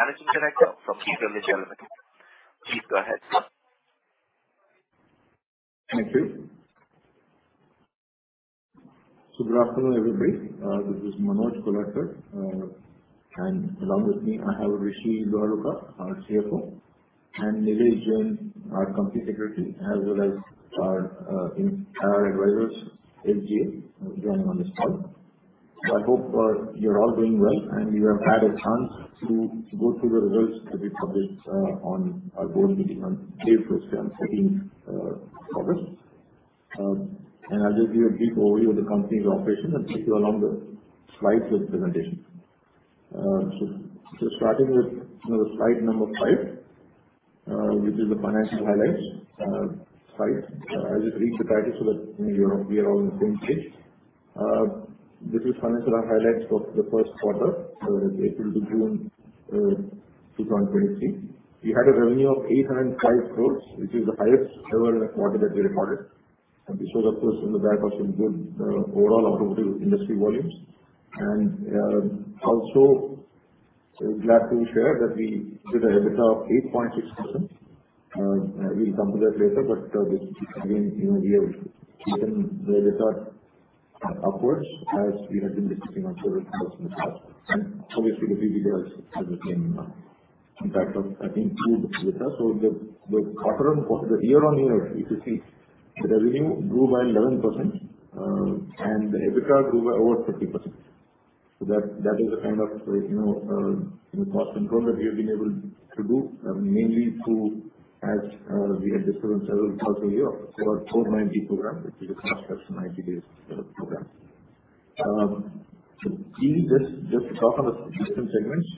Managing Director from TVS Motor Company. Please go ahead. Thank you. So good afternoon, everybody, this is Manoj Kolhatkar, and along with me, I have Rishi Luharuka, our CFO, and Nilesh Jain, our company secretary, as well as our advisors, SGA, joining on this call. So I hope you're all doing well, and you have had a chance to go through the results that we published on our board meeting on April 17, August. And I'll just give a brief overview of the company's operations and take you along the slides of the presentation. So starting with, you know, slide number 5, which is the financial highlights slide. I'll just read the title so that, you know, we are all on the same page. This is financial highlights for the Q1, so April to June, 2023. We had a revenue of 805 crore, which is the highest ever in a quarter that we recorded. This was, of course, on the back of some good overall automotive industry volumes. Also, glad to share that we did an EBITDA of 8.6%. We'll come to that later, but this again, you know, we have driven the EBITDA upwards as we have been discussing on several calls in the past. Obviously, the pre-details has the same impact of, I think, 2 EBITDA. So the quarter-on-year, if you see, the revenue grew by 11%, and the EBITDA grew by over 50%. So that, that is the kind of, you know, cost control that we have been able to do, mainly through, as we have discussed on several calls a year, our 490 program, which is a cost plus 90 days, program. So in this, just to talk on the different segments,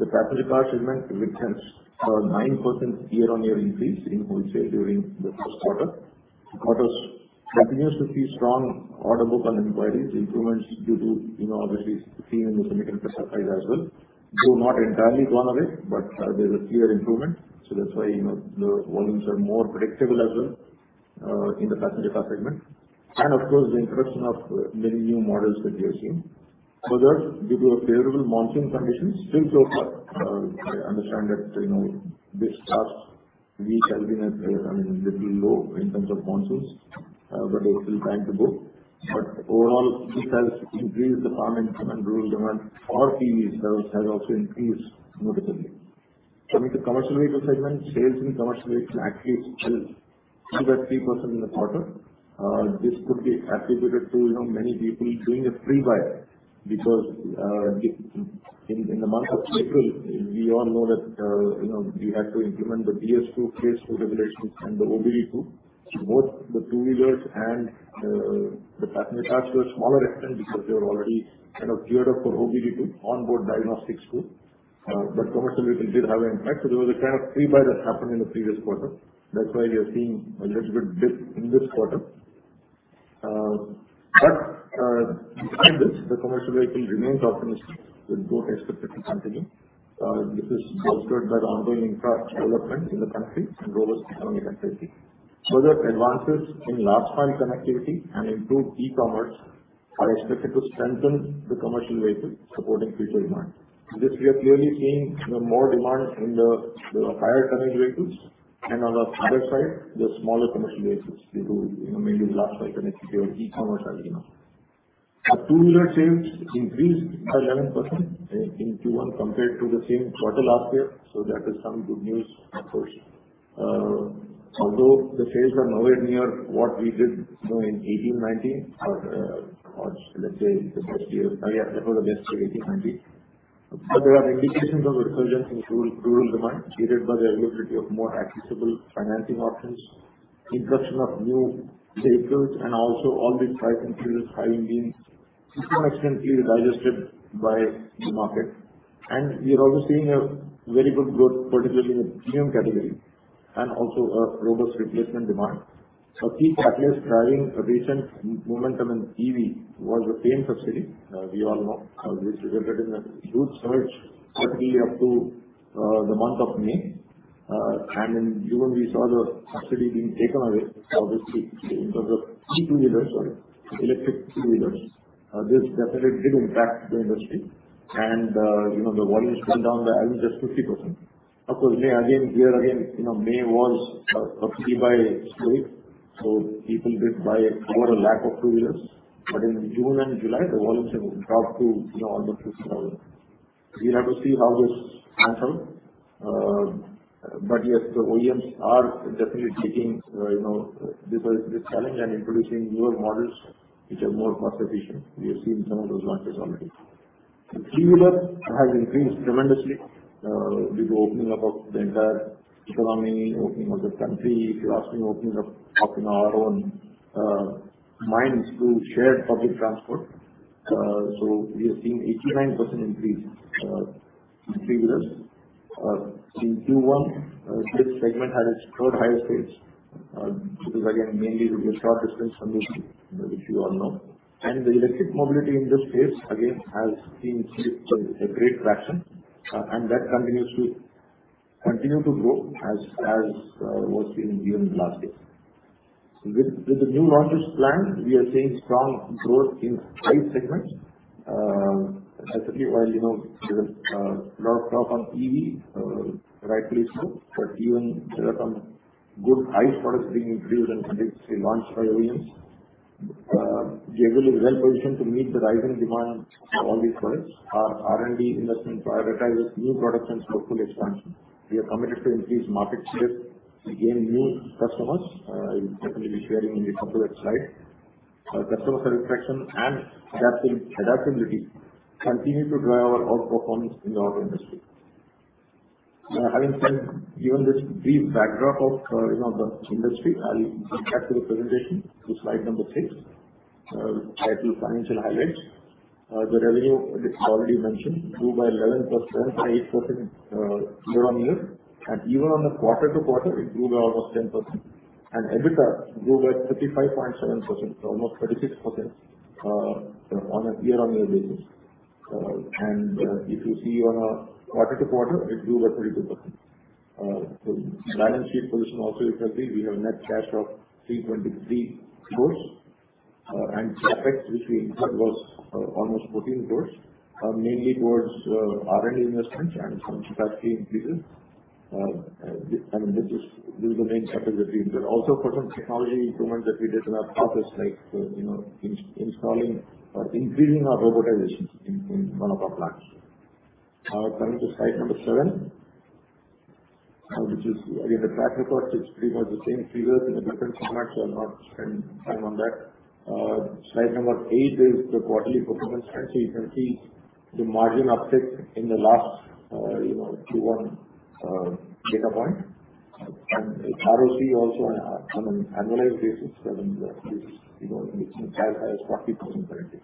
the passenger car segment, which has, 9% year-on-year increase in wholesale during the Q1. Quarters continues to see strong order book and inquiries, improvements due to, you know, obviously, the scene in the semiconductor side as well, though not entirely gone away, but, there's a clear improvement. So that's why, you know, the volumes are more predictable as well, in the passenger car segment. And of course, the introduction of, many new models that we are seeing. Further, due to a favorable monsoon conditions, still so far, I understand that, you know, this last week has been a little low in terms of monsoons, but there's still time to go. But overall, this has increased the farm income and rural demand for PE sales has also increased noticeably. So in the commercial vehicle segment, sales in commercial vehicle actually fell 2 to 3% in the quarter. This could be attributed to, you know, many people doing a pre-buy because, in the month of April, we all know that, you know, we had to implement the BS6 Phase 2 regulations and the OBD2. So both the two-wheelers and the passenger cars were smaller extent because they were already kind of geared up for OBD2, On-Board Diagnostics 2. But commercially, it did have an impact, so there was a kind of pre-buy that happened in the previous quarter. That's why we are seeing a little bit dip in this quarter. But behind this, the commercial vehicle remains optimistic, with growth expected to continue. This is bolstered by the ongoing infrastructure development in the country and robust economic activity. Further advances in last mile connectivity and improved e-commerce are expected to strengthen the commercial vehicle supporting future demand. This, we are clearly seeing, you know, more demand in the higher tonnage vehicles, and on the other side, the smaller commercial vehicles due to, you know, mainly last mile connectivity or e-commerce, as you know. Our two-wheeler sales increased by 11% in Q1, compared to the same quarter last year. That is some good news, of course. Although the sales are nowhere near what we did, you know, in 2018, 2019, or, or let's say the first year. Oh, yeah, before the best year, 2018, 2019. But there are indications of a resurgence in rural demand, created by the availability of more accessible financing options, introduction of new vehicles, and also all the tried and tested high engines to some extent being digested by the market. And we are also seeing a very good growth, particularly in the premium category, and also a robust replacement demand. A key catalyst driving recent momentum in EV was the FAME subsidy. We all know how this resulted in a huge surge, particularly up to the month of May. And in June, we saw the subsidy being taken away, obviously, in terms of e-two-wheelers, or electric two-wheelers. This definitely did impact the industry. You know, the volumes came down by around just 50%. Of course, May again, here again, you know, May was a pre-buy slide, so people did buy over a lack of two-wheelers. But in June and July, the volumes have dropped to, you know, almost 50,000. We have to see how this pans out. But yes, the OEMs are definitely taking you know this this challenge and introducing newer models which are more cost efficient. We have seen some of those launches already. Three-wheeler has increased tremendously due to opening up of the entire economy, opening of the country, if you're asking openings of up in our own minds to share public transport. So we are seeing 89% increase in three-wheelers. In Q1, this segment had its third highest rates, because again, mainly the short distance industry, which you all know. And the electric mobility in this space, again, has seen a great traction, and that continues to grow as was seen even last year. So with the new launches plan, we are seeing strong growth in five segments. Especially while, you know, there's lot, lot on EV, rightly so, but even there are some good, high products being introduced, we are really well positioned to meet the rising demand for all these products. Our R&D investment prioritizes new products and portfolio expansion. We are committed to increase market share to gain new customers, I'll definitely be sharing in the couple of slides. Our customer satisfaction and adapting, adaptability continue to drive our outperformance in the auto industry. Having said, given this brief backdrop of, you know, the industry, I'll get to the presentation to slide number 6. Title: Financial Highlights. The revenue, as already mentioned, grew by 11%, year-on-year, and even on the quarter-to-quarter, it grew by almost 10%. EBITDA grew by 35.7%, so almost 36%, on a year-on-year basis. And, if you see on a quarter-to-quarter, it grew by 32%. So balance sheet position also, you can see we have net cash of 323 crores. And CapEx, which we included, was almost 14 crores, mainly towards R&D investments and some capacity increases. I mean, this is, this is the main factors that we include. Also, for some technology improvements that we did in our office, like, you know, installing or increasing our robotization in, in one of our plants. Coming to slide number 7, which is again, the track record, it's pretty much the same figures in a different format, so I'll not spend time on that. Slide number 8 is the quarterly performance trend. So you can see the margin uptick in the last, you know, two-one data point. And ROC also on an, on an annualized basis, then the, is, you know, it's as high as 40% currently.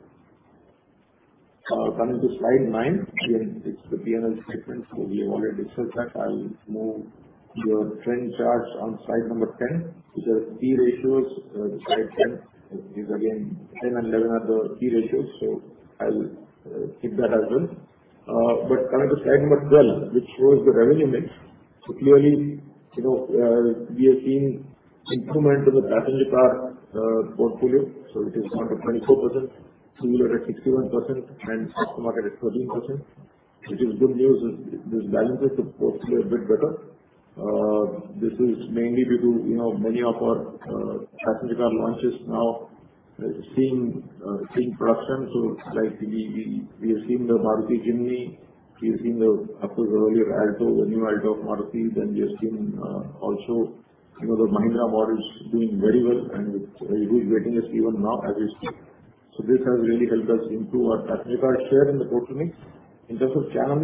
Coming to slide 9, again, it's the P&L statement. So we have already discussed that. I will move your trend charts on slide number 10, which are key ratios. Slide 10 is again, 10 and 11 are the key ratios, so I'll skip that as well. But coming to slide number 12, which shows the revenue mix. So clearly, you know, we have seen improvement in the passenger car portfolio, so it is 1.4%, 361% and aftermarket is 13%. Which is good news, is this balances the portfolio a bit better. This is mainly due to, you know, many of our passenger car launches now seeing production. So like we have seen the Maruti Jimny, we've seen the... of course, the earlier Alto, the new Alto of Maruti, then we have seen also, you know, the Mahindra models doing very well and with a good waiting list even now as we speak. So this has really helped us improve our passenger car share in the portfolio mix. In terms of channel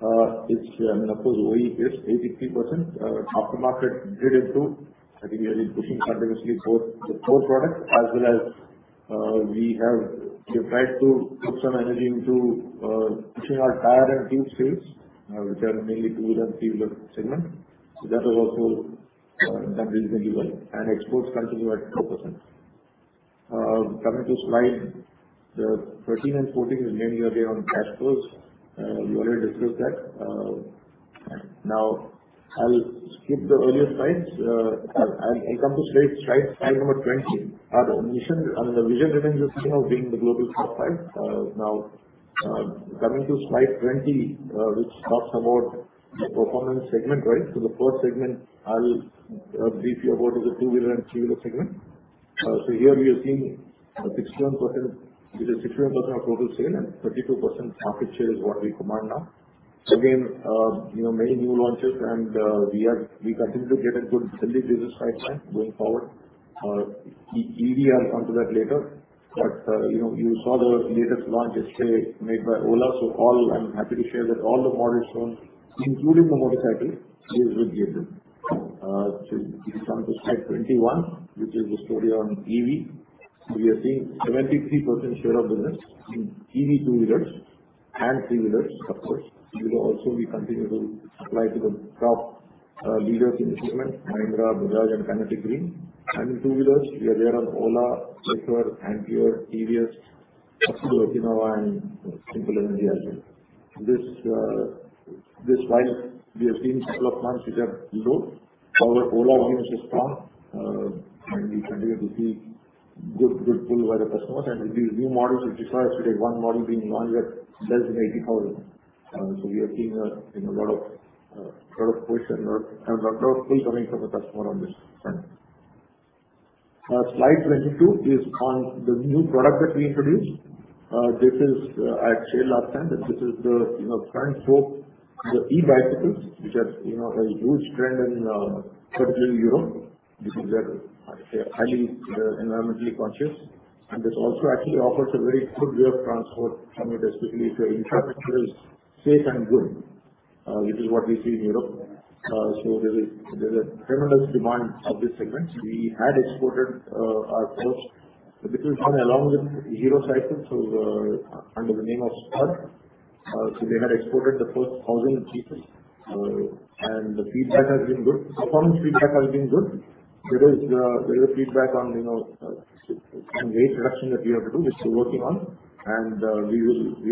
mix, it's, I mean, of course, OE is 83%. Aftermarket did improve. I think we are pushing simultaneously both the core products, as well as, we have tried to put some energy into, pushing our tire and wheel space, which are mainly two-wheel and three-wheel segment. So that overall, have reasonably well, and exports continue at 2%. Coming to slides 13 and 14 is mainly update on cash flows. We already discussed that. Now, I'll skip the earlier slides. I'll come to slide number 20. Our mission and the vision remains the same of being the global top five. Now, coming to slide 20, which talks about the performance segment, right? So the fourth segment, I'll brief you about is the two-wheeler and three-wheeler segment. So here we are seeing a 16%, which is 16% of total sale, and 32% market share is what we command now. So again, you know, many new launches and, we are, we continue to get into the city business pipeline going forward. EV, I'll come to that later, but, you know, you saw the latest launch yesterday made by Ola, so all I'm happy to share that all the models shown, including the motorcycle, is with YT. So coming to slide 21, which is the story on EV. We are seeing 73% share of business in EV two-wheelers and three-wheelers, of course. We will also be continuing to supply to the top leaders in the segment, Mahindra, Bajaj and Kinetic Green. And in two-wheelers, we are there on Ola, Ather, Ampere, TVS, Okinawa, and Simple Energy as well. This, this while we have seen several months, which are low, however, Ola business is strong, and we continue to see good, good pull by the customers. And the new models which are still one model being launched at designated power. So we are seeing a, you know, a lot of, lot of push and lot, and a lot of pull coming from the customer on this front. Slide 22 is on the new product that we introduced. This is, I had said last time that this is the, you know, current scope, the e-bicycles, which are, you know, a huge trend in, particularly Europe. This is a highly environmentally conscious, and this also actually offers a very good way of transport from it, especially if your infrastructure is safe and good, which is what we see in Europe. So there's a tremendous demand of this segment. We had exported our first, which was done along with Hero Cycles, so under the name of Lectro. So they had exported the first 1,000 pieces, and the feedback has been good. So far, the feedback has been good. There is a feedback on, you know, some weight reduction that we have to do, which we're working on, and we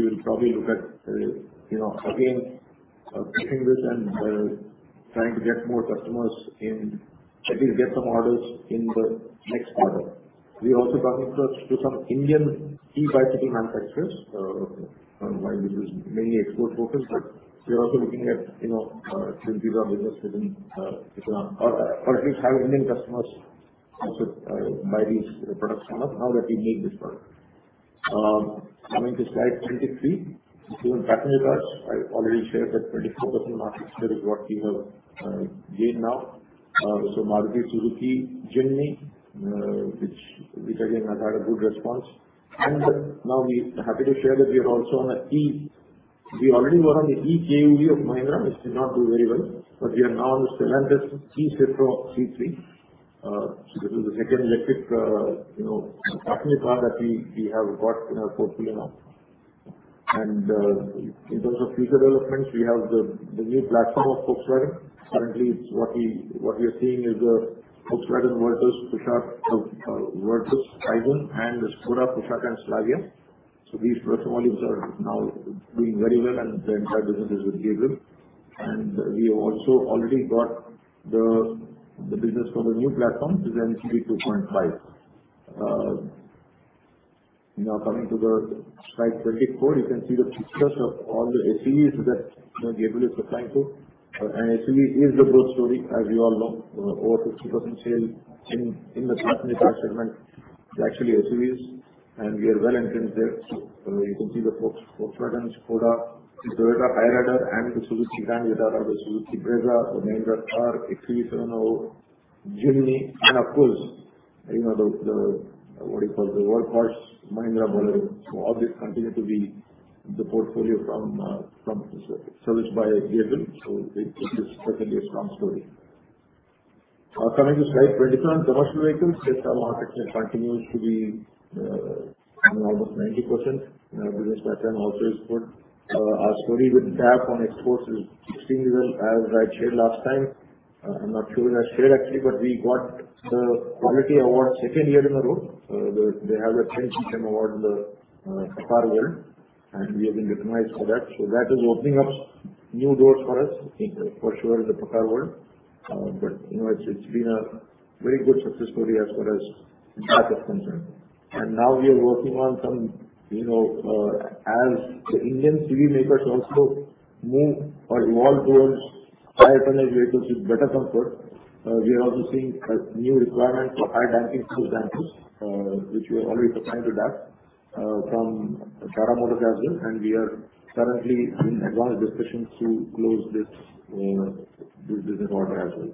will probably look at, you know, again, taking this and trying to get more customers in, at least get some orders in the next quarter. We're also talking to some Indian key bicycle manufacturers, while this is mainly export focused. But we are also looking at, you know, building our business within India, or at least have Indian customers also buy these products from us, now that we make this product. Coming to slide 23, it's been partner with us. I already shared that 24% market share is what we have gained now. So Maruti Suzuki, Jimny, which again has had a good response. And now we are happy to share that we are also on an E... We already were on the XUV of Mahindra, which did not do very well, but we are now on the Stellantis eC3. This is the second electric, you know, partner car that we have got in our portfolio now. In terms of future developments, we have the new platform of Volkswagen. Currently, what we are seeing is the Volkswagen Virtus, Kushaq, Virtus Taigun and the Škoda Kushaq and Slavia. So these first volumes are now doing very well and the entire business is with Gabriel. And we also already got the business from a new platform, which is MQB A0 IN. Now coming to the slide 24, you can see the pictures of all the SUVs that, you know, Gabriel is supplying to. And SUV is the growth story, as you all know, over 50% sales in the car manufacturing segment is actually SUVs, and we are well entrenched there. So you can see the Volkswagen, Škoda, the Toyota Hyryder and the Suzuki Grand Vitara, the Suzuki Brezza, the Mahindra XUV300, Jimny, and of course, you know, the, the, what you call the workhorse, Mahindra Bolero. So all these continue to be the portfolio from, from serviced by Gabriel. So it is certainly a strong story. Coming to slide 25, commercial vehicles. This market continues to be almost 90%. Our business pattern also is good. Our story with DAF on exports is extremely well. As I shared last time, I'm not sure I shared actually, but we got the quality award second year in a row. They have a 10-year award, the Qatar world, and we have been recognized for that. So that is opening up new doors for us, I think, for sure, in the Qatar world. But, you know, it's been a very good success story as far as DAF is concerned. And now we are working on some, you know, as the Indian CV makers also move or evolve towards higher tonnage vehicles with better comfort, we are also seeing a new requirement for high damping shock dampers, which we are already supplying to that from Shara Motorcycle, and we are currently in advanced discussions to close this business order as well.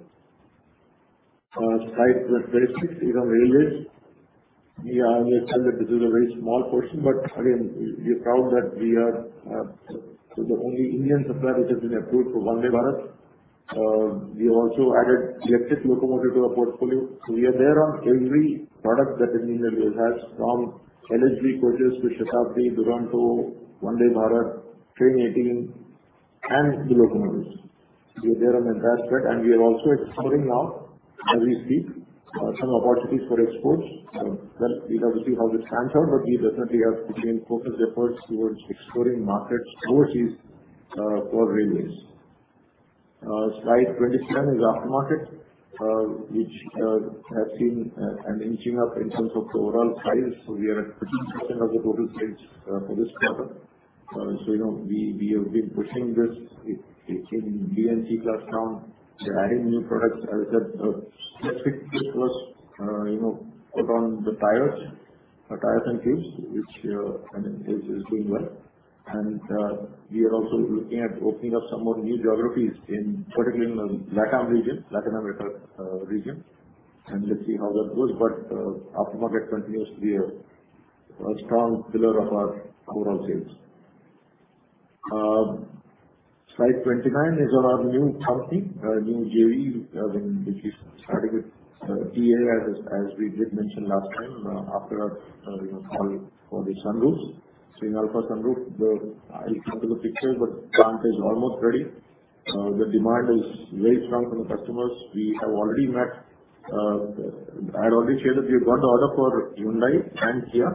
Slide 26 is on railways. We are, this is a very small portion, but again, we are proud that we are the only Indian supplier which has been approved for Vande Bharat. We have also added electric locomotive to our portfolio. So we are there on every product that Indian Railways has, from LHB coaches to Shatabdi, Duronto, Vande Bharat, Train 18, and the locomotives. We are there on the entire aspect, and we are also exploring now, as we speak, some opportunities for exports. Well, we have to see how this pans out, but we definitely have to maintain focused efforts towards exploring markets overseas, for railways. Slide 27 is aftermarket, which has been inching up in terms of the overall size. So we are at 13% of the total sales, for this quarter. So, you know, we have been pushing this in B2C platform. We're adding new products as electric vehicles, you know, put on the tires, tires and tubes, which, I mean, is doing well. We are also looking at opening up some more new geographies in, particularly in the LATAM region, Latin America, region, and let's see how that goes. But, aftermarket continues to be a strong pillar of our overall sales. Slide 29 is on our new company, a new JV, which we started with TA, as we did mention last time, after our, you know, call for the sun roofs. So in Inalfa Sunroof, the, I'll come to the picture, but plant is almost ready. The demand is very strong from the customers. We have already met, I had already shared that we have got the order for Hyundai and Kia,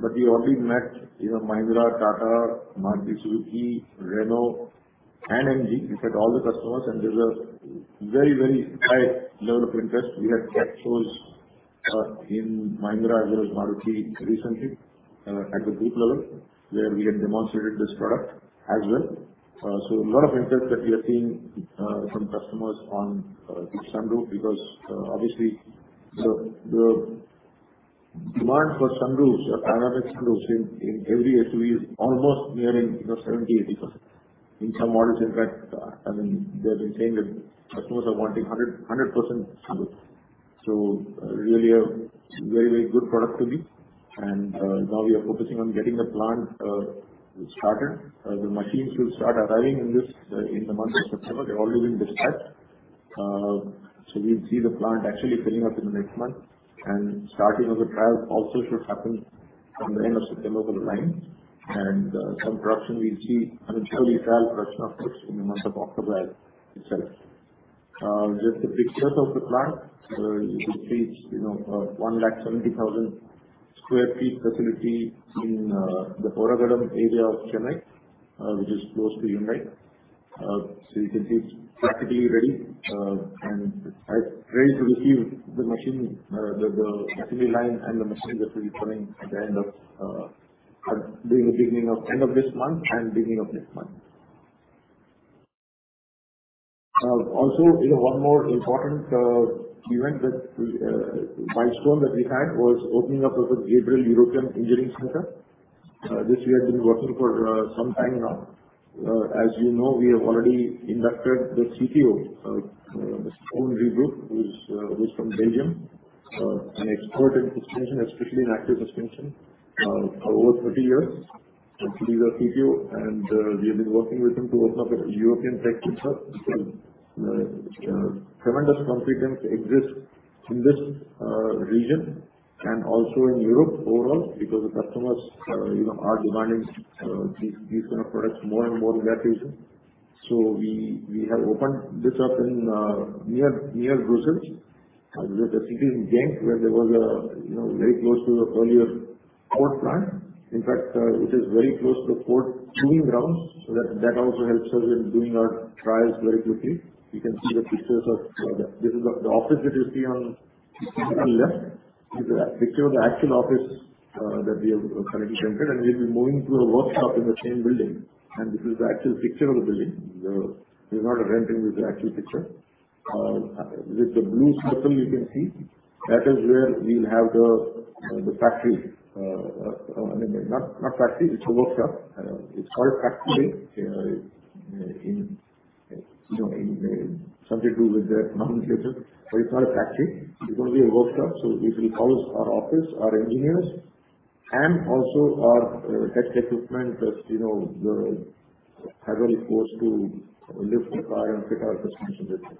but we already met, you know, Mahindra, Tata, Maruti Suzuki, Renault, and MG. We've had all the customers, and there's a very, very high level of interest. We had tech shows in Mahindra as well as Maruti recently at the group level, where we had demonstrated this product as well. So a lot of interest that we are seeing from customers on the sunroof, because obviously, the demand for sunroofs, panoramic sunroofs in every SUV is almost nearing, you know, 70 to 80%. In some models, in fact, I mean, they have been saying that customers are wanting 100% sunroofs. So really a very, very good product to me. And now we are focusing on getting the plant started. The machines will start arriving in this in the month of September. They've already been dispatched. So we'll see the plant actually setting up in the next month, and starting of the trial also should happen... from the end of September lines, and some production we see, and surely trial production, of course, in the month of October itself. Just the pictures of the plant, you should see, you know, 170,000 sq ft facility in the Oragadam area of Chennai, which is close to Mumbai. So you can see it's practically ready, and I'm ready to receive the machine, the machinery line and the machine that will be coming at the end of, at the beginning of end of this month and beginning of next month. Also, you know, one more important milestone that we had was opening up of the Ghent European Engineering Center. This we have been working for some time now. As you know, we have already inducted the CPO, Mr. Henri Group, who's from Belgium, an expert in suspension, especially in active suspension, over 30 years, actually the CPO, and we have been working with him to open up a European tech center. Tremendous confidence exists in this region and also in Europe overall, because the customers, you know, are demanding these kind of products more and more in that region. So we have opened this up near Brussels in the city of Ghent, where there was a very close to the earlier port plant. In fact, it is very close to the proving grounds, so that also helps us in doing our trials very quickly. You can see the pictures of the... This is the office that you see on the left, is the picture of the actual office that we have currently entered, and we'll be moving to a workshop in the same building. This is the actual picture of the building. This is not a rendering, this is the actual picture. With the blue circle you can see, that is where we'll have the factory. Not factory, it's a workshop. It's called factory, in you know, in something to do with the communication, but it's not a factory, it's going to be a workshop. So it will house our office, our engineers, and also our tech equipment that, you know, the heavy force to lift the car and fit our suspension system.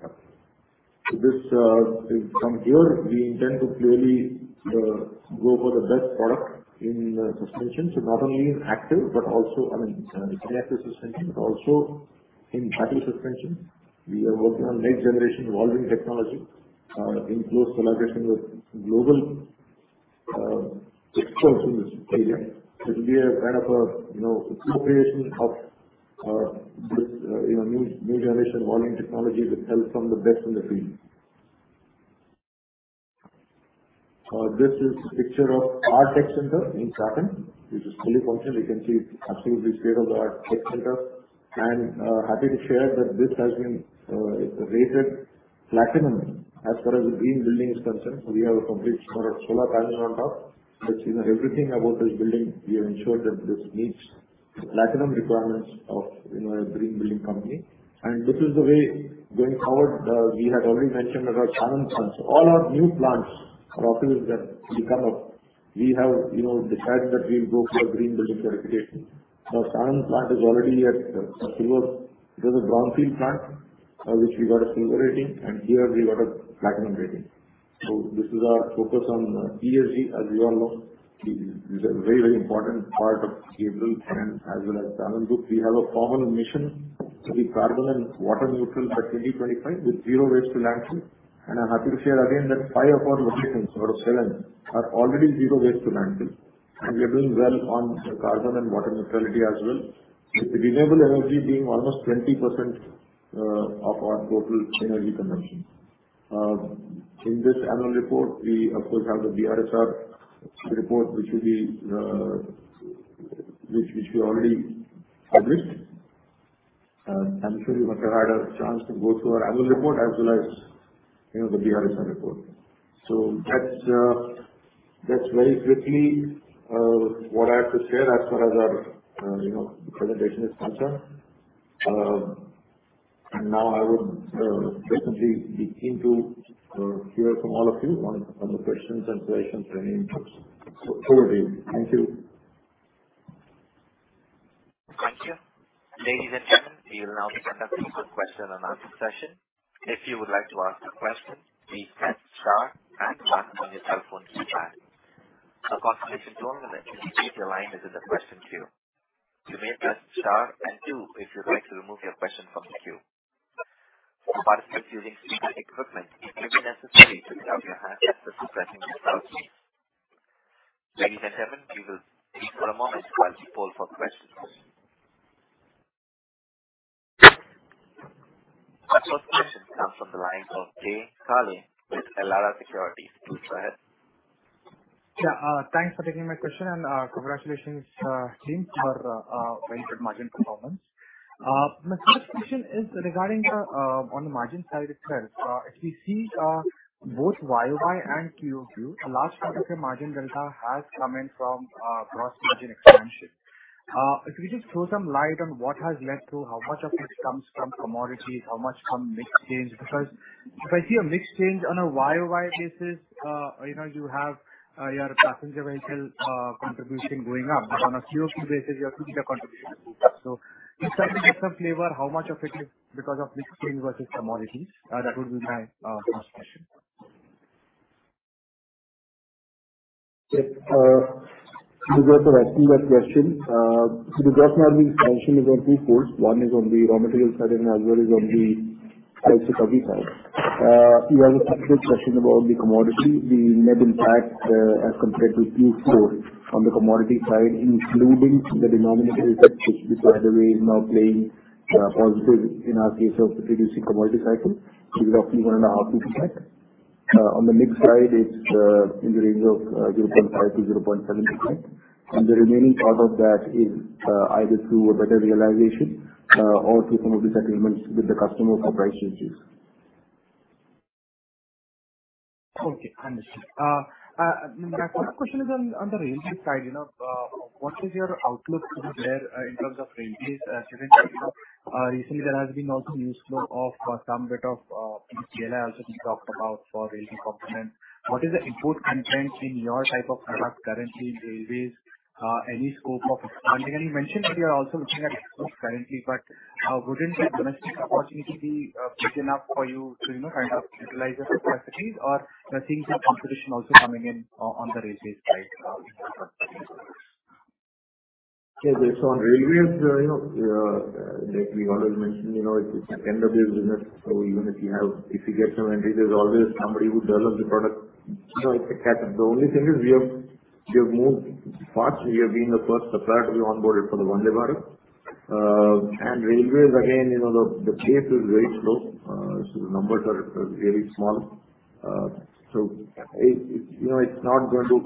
So from here, we intend to clearly go for the best product in suspension. So not only in active, but also, I mean, in active suspension, but also in passive suspension. We are working on next generation evolving technology in close collaboration with global experts in this area. It will be a kind of a, you know, cooperation of this, you know, new generation valving technology that helps us be the best in the field. This is a picture of our tech center in Chakan. This is fully functional. You can see absolutely state-of-the-art tech center. And happy to share that this has been rated platinum as far as the green building is concerned. So we have a complete solar, solar panels on top, which, you know, everything about this building, we have ensured that this meets the platinum requirements of, you know, a green building company. And this is the way going forward, we had already mentioned about Anand plants. All our new plants or offices that we come up, we have, you know, decided that we will go for a green building certification. Our Anand plant is already at a silver. There's a brownfield plant, which we got a silver rating, and here we got a platinum rating. So this is our focus on ESG. As you all know, this is a very, very important part of Gabriel and as well as Anand Group. We have a common mission to be carbon and water neutral by 2025, with zero waste to landfill. I'm happy to share again that five of our locations out of seven are already zero waste to landfill, and we are doing well on carbon and water neutrality as well. With renewable energy being almost 20% of our total energy consumption. In this annual report, we of course have the BRSR report, which will be, which we already addressed. I'm sure you must have had a chance to go through our annual report, as well as, you know, the BRSR report. So that's, that's very quickly, what I have to share as far as our, you know, presentation is concerned. And now I would definitely be keen to hear from all of you on the questions and relations training. So over to you. Thank you. Thank you. Ladies and gentlemen, we will now begin the question and answer session. If you would like to ask a question, please press star and one on your telephone keypad. A confirmation tone will indicate your line is in the question queue. You may press star and two if you'd like to remove your question from the queue. For participants using speaker equipment, it may be necessary to lift your handset just by pressing the star key. Ladies and gentlemen, you will be put on hold while we hold for questions. The first question comes from the line of Jay Kale with Elara Securities. Go ahead. Yeah, thanks for taking my question, and, congratulations, team, for very good margin performance. My first question is regarding the, on the margin side itself. If we see, both YOY and QOQ, a large part of the margin delta has come in from gross-margin expansion. If you just throw some light on what has led to how much of this comes from commodities, how much from mix change? Because if I see a mix change on a YOY basis, you know, you have your passenger vehicle contribution going up, but on a QOQ basis, you are seeing a contribution. So just try to get some flavor, how much of it is because of mix change versus commodities? That would be my first question.... you get the rest of that question. The growth now being mentioned is on two folds. One is on the raw material side and another is on the side. You have a separate question about the commodity, the net impact, as compared to Q4 on the commodity side, including the denominator effect, which by the way, is now playing positive in our case of the reducing commodity cycle is roughly 1.5%. On the mix side, it's in the range of 0.5 to 0.7%. And the remaining part of that is either through a better realization or through some of these agreements with the customer or price changes. Okay, understood. My second question is on the railway side, you know, what is your outlook there in terms of railways? Given that, you know, recently there has been also news flow of some bit of DLI also being talked about for railway component. What is the import content in your type of product currently in railways? Any scope of... And you mentioned that you are also looking at exports currently, but wouldn't the domestic opportunity be big enough for you to, you know, kind of utilize the capacities or are things like competition also coming in on the railways side in the coming years? Yeah. So on railways, you know, like we already mentioned, you know, it's an end of business. So even if you have if you get some entry, there's always somebody who develops the product. You know, it's a cat. The only thing is we have, we have moved fast. We have been the first supplier to be onboarded for the Vande Bharat. And railways, again, you know, the, the pace is very slow. So the numbers are, are very small. So it, it. You know, it's not going to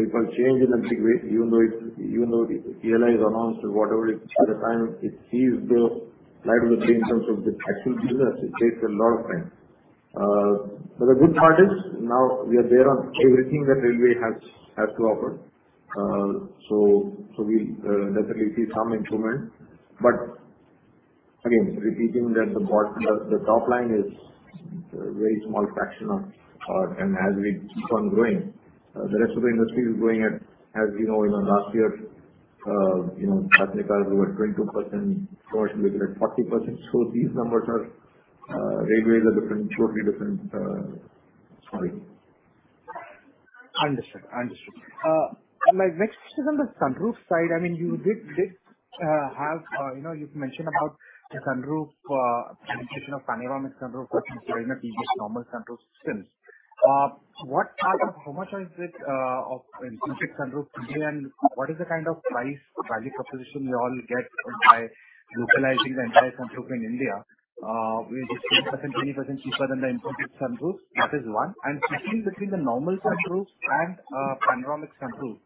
make a change in a big way, even though it's even though the DLI is announced or whatever it, at the time, it sees the light of the day in terms of the actual business, it takes a lot of time. But the good part is now we are there on everything that railway has to offer. So, so we definitely see some improvement. But again, repeating that the bottom line, the top line is a very small fraction of our... And as we keep on growing, the rest of the industry is growing at, as you know, in the last year, you know, were 22%, growth was at 40%. So these numbers are, railways are different, totally different, sorry. Understood, understood. My next question on the sunroof side, I mean, you did have, you know, you've mentioned about the sunroof presentation of panoramic sunroof versus the normal sunroof systems. What are the headwinds of imported sunroofs in India, and what is the kind of price value proposition you all get by localizing the entire sunroof in India? We just 10%, 20% cheaper than the imported sunroof. That is one. And between the normal sunroof and panoramic sunroof,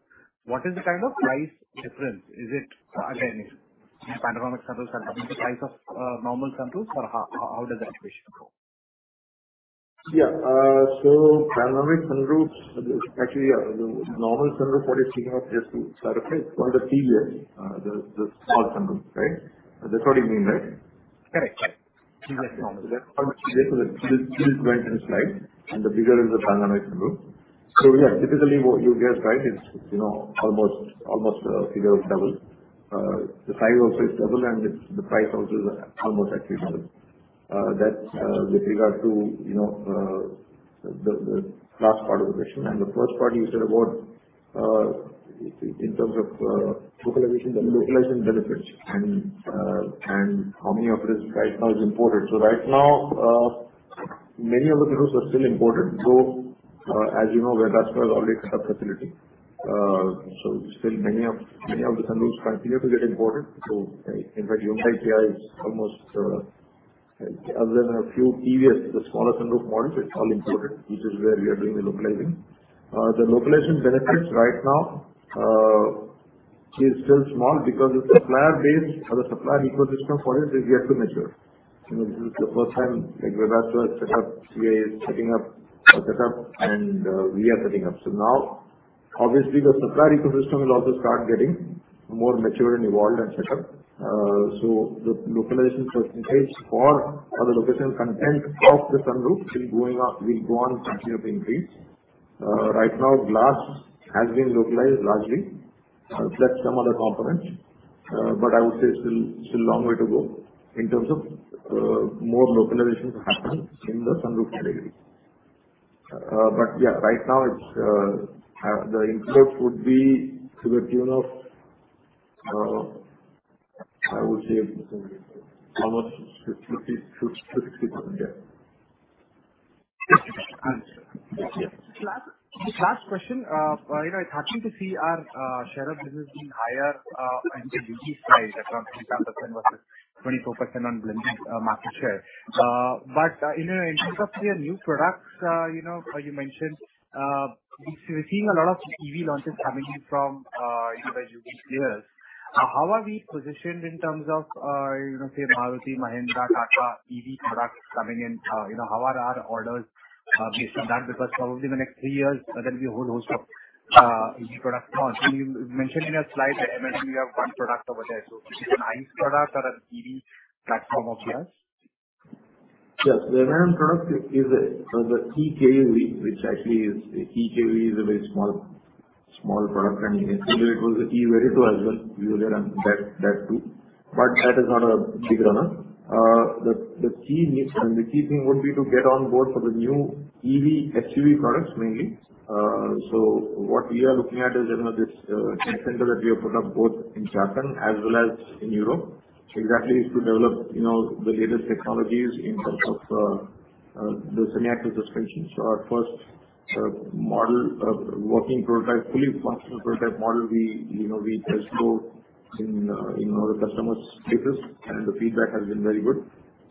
what is the kind of price difference? Is it, again, panoramic sunroofs are having the price of normal sunroofs, or how does that equation go? Yeah. So panoramic sunroof, actually, the normal sunroof, what is just to clarify, it's one of the previous, the small sunroof, right? That's what you mean, right? Correct. Correct. This is went in slide, and the bigger is the panoramic sunroof. So yeah, typically what you get, right, is, you know, almost a figure of double. The size of it double, and the price also is almost actually double. That's with regard to, you know, the last part of the question. And the first part you said about, in terms of, localization, the localization benefits and how many of it is right now imported. So right now, many of the sunroofs are still imported, so, as you know, Webasto already set up facility. So still many of the sunroofs continue to get imported. So, in fact, Hyundai Creta is almost, other than a few previous, the smaller sunroof models, it's all imported. This is where we are doing the localizing. The localization benefits right now is still small because the supplier base or the supplier ecosystem for it is yet to mature. You know, this is the first time, like, Webasto has set up, CA is setting up a setup, and we are setting up. So now, obviously, the supplier ecosystem will also start getting more mature and evolved and set up. So the localization percentage for all the localization content of the sunroof is going up, will go on continue to increase. Right now, glass has been localized largely, plus some other components, but I would say still, still a long way to go in terms of more localization to happen in the sunroof category. But yeah, right now it's the import would be to the tune of, I would say almost 50 to 60%. Yeah. Understood. Thank you. Last, the last question, you know, it's happening to see our share of business being higher, and the price at around 3% versus 24% on blending market share. But, you know, in terms of your new products, you know, you mentioned, we've seen a lot of EV launches coming in from your competitors. How are we positioned in terms of, you know, say, Maruti, Mahindra, Tata EV products coming in? You know, how are our orders based on that? Because probably in the next three years, there will be a whole host of EV products. You mentioned in a slide, I imagine you have one product over there. So is it a ICE product or an EV platform of yours? Yes, the random product is a eKUV, which actually is a eKUV, a very small product, and it was the e-Verito as well earlier, and that too, but that is not a big runner. The key thing would be to get on board for the new EV, HGV products mainly. So what we are looking at is, you know, this center that we have put up both in Chakan as well as in Europe exactly is to develop, you know, the latest technologies in terms of the semi-active suspension. So our first model working prototype, fully functional prototype model, we, you know, we test drove in our customers' vehicles, and the feedback has been very good.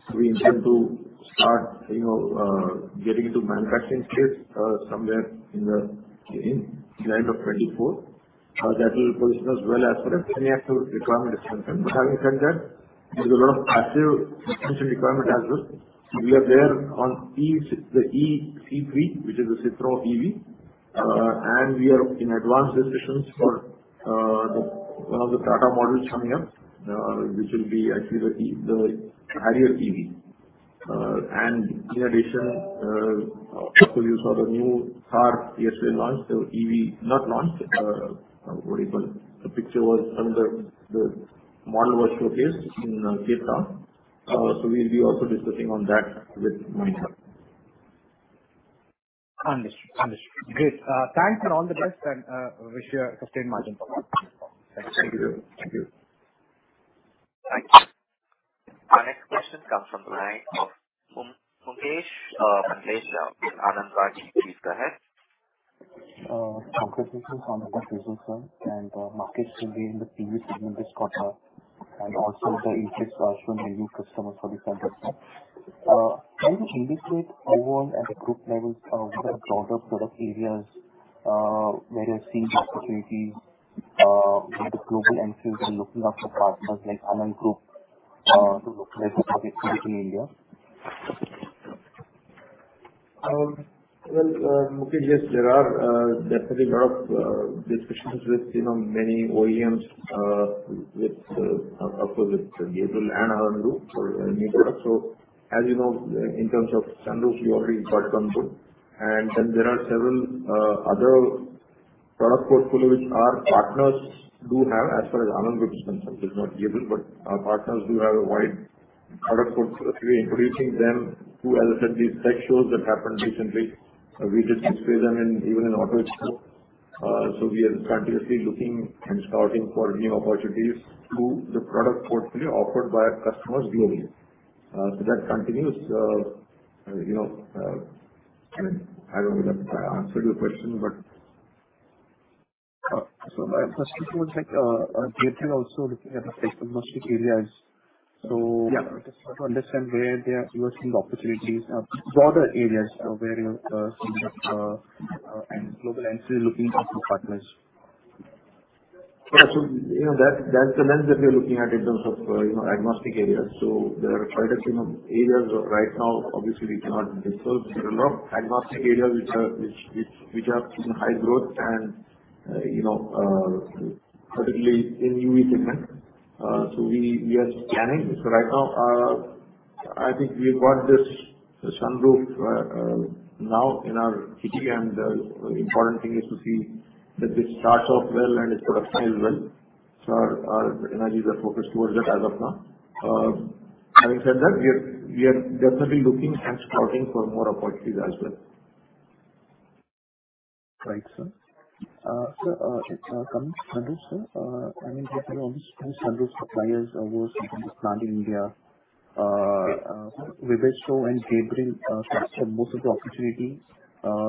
So we intend to start, you know, getting into manufacturing stage, somewhere in the end of 2024. That will position us well as far as any active requirement is concerned. But having said that, there's a lot of passive suspension requirement as well. So we are there on E... The eC3, which is a Citroën EV. And we are in advanced discussions for, the one of the Tata models coming up, which will be actually the E-- the Harrier EV. And in addition, also you saw the new car yesterday launched, the EV... Not launched, what do you call it? The picture was, the model was showcased in Cape Town. So we'll be also discussing on that with Mahindra. Understood, understood. Great. Thanks and all the best, and wish you a sustained margin performance. Thank you. Thank you. Thank you. Our next question comes from the line of Umesh, Raut from Anand Rathi. Please go ahead. Congratulations on the results, sir, and markets in the previous quarter, and also the interest from the new customers for the same person. Can you indicate overall at a group level, what are the product areas, where you're seeing opportunities, with the global entities looking after partners like ANAND Group, to look like in India? Well, Mukeesh, yes, there are definitely a lot of discussions with, you know, many OEMs, with, of course, with Gabriel and ANAND Group for new products. So as you know, in terms of sunroof, we already got some, and then there are several other product portfolio which our partners do have as far as ANAND Group is concerned. It's not given, but our partners do have a wide product portfolio. We're increasing them to, as I said, these tech shows that happened recently. We just display them in, even in Auto Expo. So we are continuously looking and scouting for new opportunities through the product portfolio offered by our customers globally. So that continues, you know, I mean, I don't know if I answered your question, but... My first question was like, Gabriel also looking at the technological areas. Yeah. Just want to understand where they are seeing the opportunities, broader areas of where, some of the, and global entities looking into partners. Yeah. So, you know, that, that's the lens that we are looking at in terms of, you know, agnostic areas. So there are quite a few areas where right now obviously we cannot disclose. There are a lot of agnostic areas which are in high growth and, you know, particularly in EV segment. So we are scanning. So right now, I think we've got this sunroof now in our CT, and the important thing is to see that this starts off well and its production is well. So our energies are focused towards that as of now. Having said that, we are definitely looking and scouting for more opportunities as well. Right, sir. Sir, it's coming sunroof, sir. I mean, there are almost sunroof suppliers who are supplying India, Webasto and Gabriel capture most of the opportunities,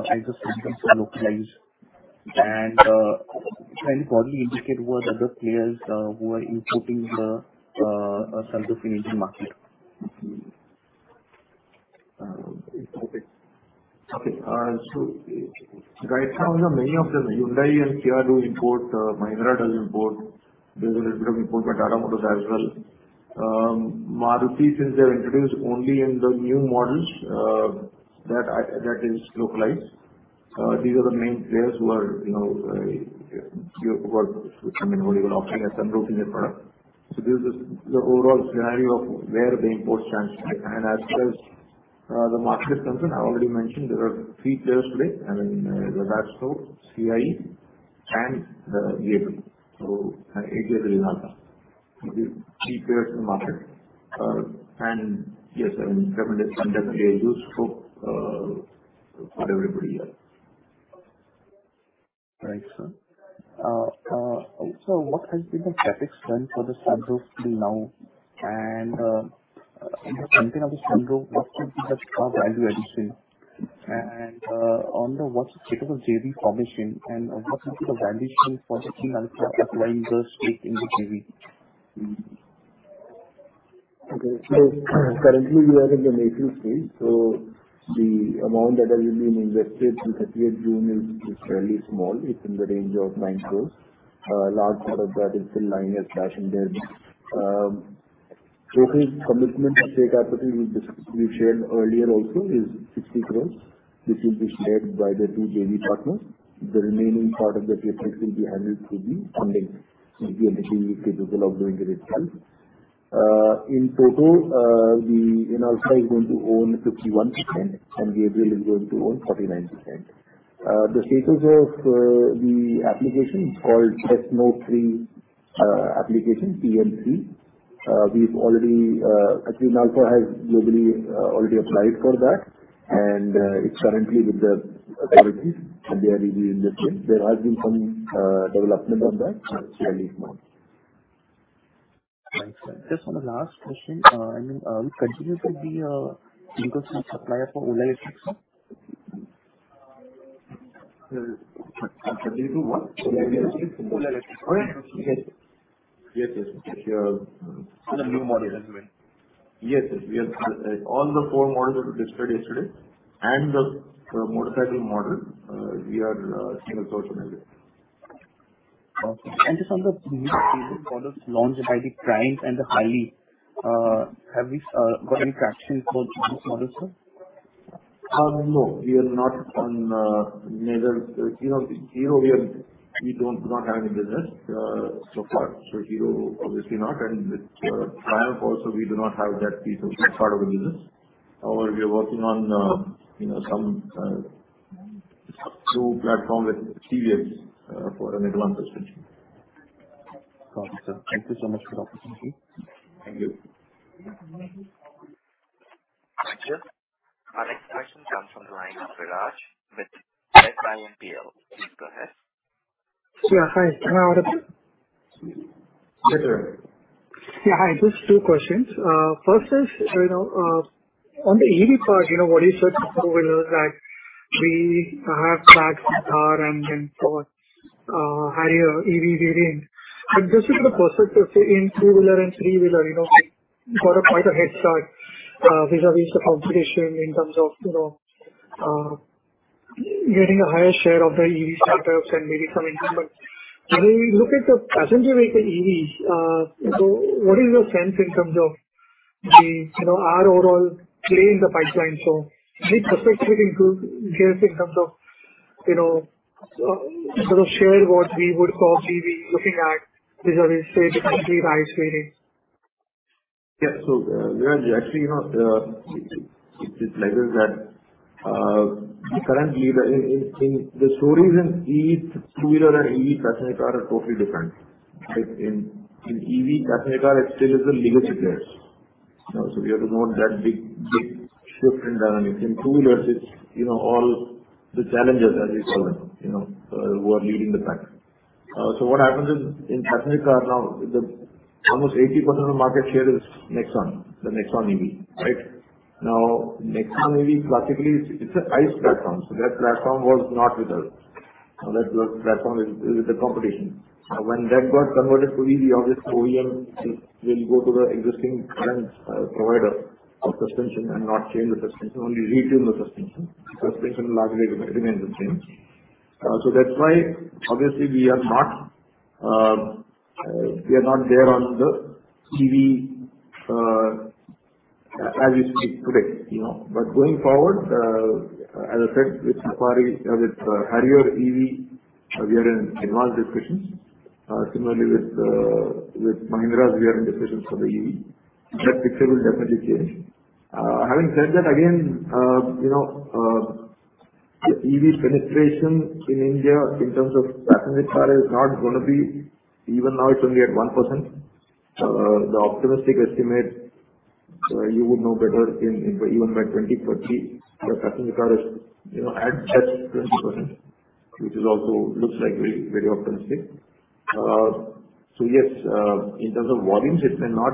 as the systems are localized. And, can you probably indicate what other players who are importing the sunroof into market? Okay. Okay. So right now there are many of them. Hyundai and Kia do import, Mahindra does import. There's a little bit of import by Tata Motors as well. Maruti, since they've introduced only in the new models, that is localized. These are the main players who are, you know, who are, I mean, offering a sunroof in their product. So this is the overall scenario of where the imports stands today. And as far as the market is concerned, I've already mentioned there are three players today, I mean, Webasto, CIE, and Gabriel. So AGL is another, three players in the market. And yes, I mean, definitely, definitely a good scope for everybody else. Right, sir. Also, what has been the CapEx spend for the sunroof till now? And, in the content of the sunroof, what could be the car value addition? And, what's the state of the JV formation, and what might be the valuation for the team applying the stake in the JV? Okay. So currently we are in the making stage, so the amount that has been invested through 30 June is fairly small. It's in the range of 9 crore. Large part of that is in line as cash and debt. Total commitment of CapEx, which we shared earlier also, is 60 crore. This will be shared by the two JV partners. The remaining part of the CapEx will be handled through the funding. So we are looking if we develop the risk itself. In total, the you know Inalfa is going to own 51%, and Gabriel is going to own 49%. The status of the application is called Press Note 3, application, TMC. We've already, actually, Inalfa has globally already applied for that, and it's currently with the authorities, and they are reviewing the same. There has been some development on that early this month. Thanks, sir. Just on the last question, and we continue to be because some supplier for Ola Electric, sir? Do you do what? Ola Electric. All right. Yes, yes, yes, we are. The new model that you made. Yes, yes, we are. All the four models that we displayed yesterday and the motorcycle model, we are single source on that. Okay. And just on the previous models launched by the Triumph and the Harley, have we got any traction for these models, sir? No, we are not on neither, you know, Hero we are-- we don't, do not have any business so far. So Hero, obviously not, and with Triumph also, we do not have that piece of that part of the business. However, we are working on, you know, some new platform with TVS for an advanced suspension. Okay, sir. Thank you so much for the opportunity. Thank you. Our next question comes from the line of Viraj, with HDFC MPL. Go ahead. Yeah, hi, can I hear you? Yes, sir. Yeah, hi. Just two questions. First is, you know, on the EV part, you know, what you said for two-wheeler, that we have flagship car and then for Harrier EV variant. But just look at the perspective in two-wheeler and three-wheeler, you know, we've got a quite a head start vis-a-vis the competition in terms of, you know, getting a higher share of the EV startups and maybe some incumbent. When we look at the passenger vehicle EVs, so what is your sense in terms of the, you know, our overall play in the pipeline? So we perspective include... Give us in terms of, you know, sort of share what we would probably be looking at vis-a-vis say, three by three. Yeah. So, Viraj, actually, you know, it like is that currently the in the industry in EV two-wheeler and EV passenger car are totally different, right? In EV passenger car, it still is a limited players. You know, so we have to go on that big shift in dynamic. In two-wheelers, it's you know all the challengers, as we call them, you know who are leading the pack. So what happens is, in passenger car now, almost 80% of market share is Nexon, the Nexon EV, right? Now, Nexon EV classically, it's an ICE platform. So that platform was not with us. So that platform is with the competition. When that got converted to EV, obviously, OEM will go to the existing current provider of suspension and not change the suspension, only retune the suspension. Suspension largely remains the same. So that's why obviously we are not, we are not there on the EV as we speak today, you know. But going forward, as I said, with Safari, with Harrier EV, we are in advanced discussions. Similarly, with Mahindra, we are in discussions for the EV. That picture will definitely change. Having said that, again, you know, the EV penetration in India in terms of passenger car is not gonna be... Even now, it's only at 1%. The optimistic estimate, you would know better, even by 2030, the passenger car is, you know, at just 20%, which is also looks like very, very optimistic. So yes, in terms of volumes, it may not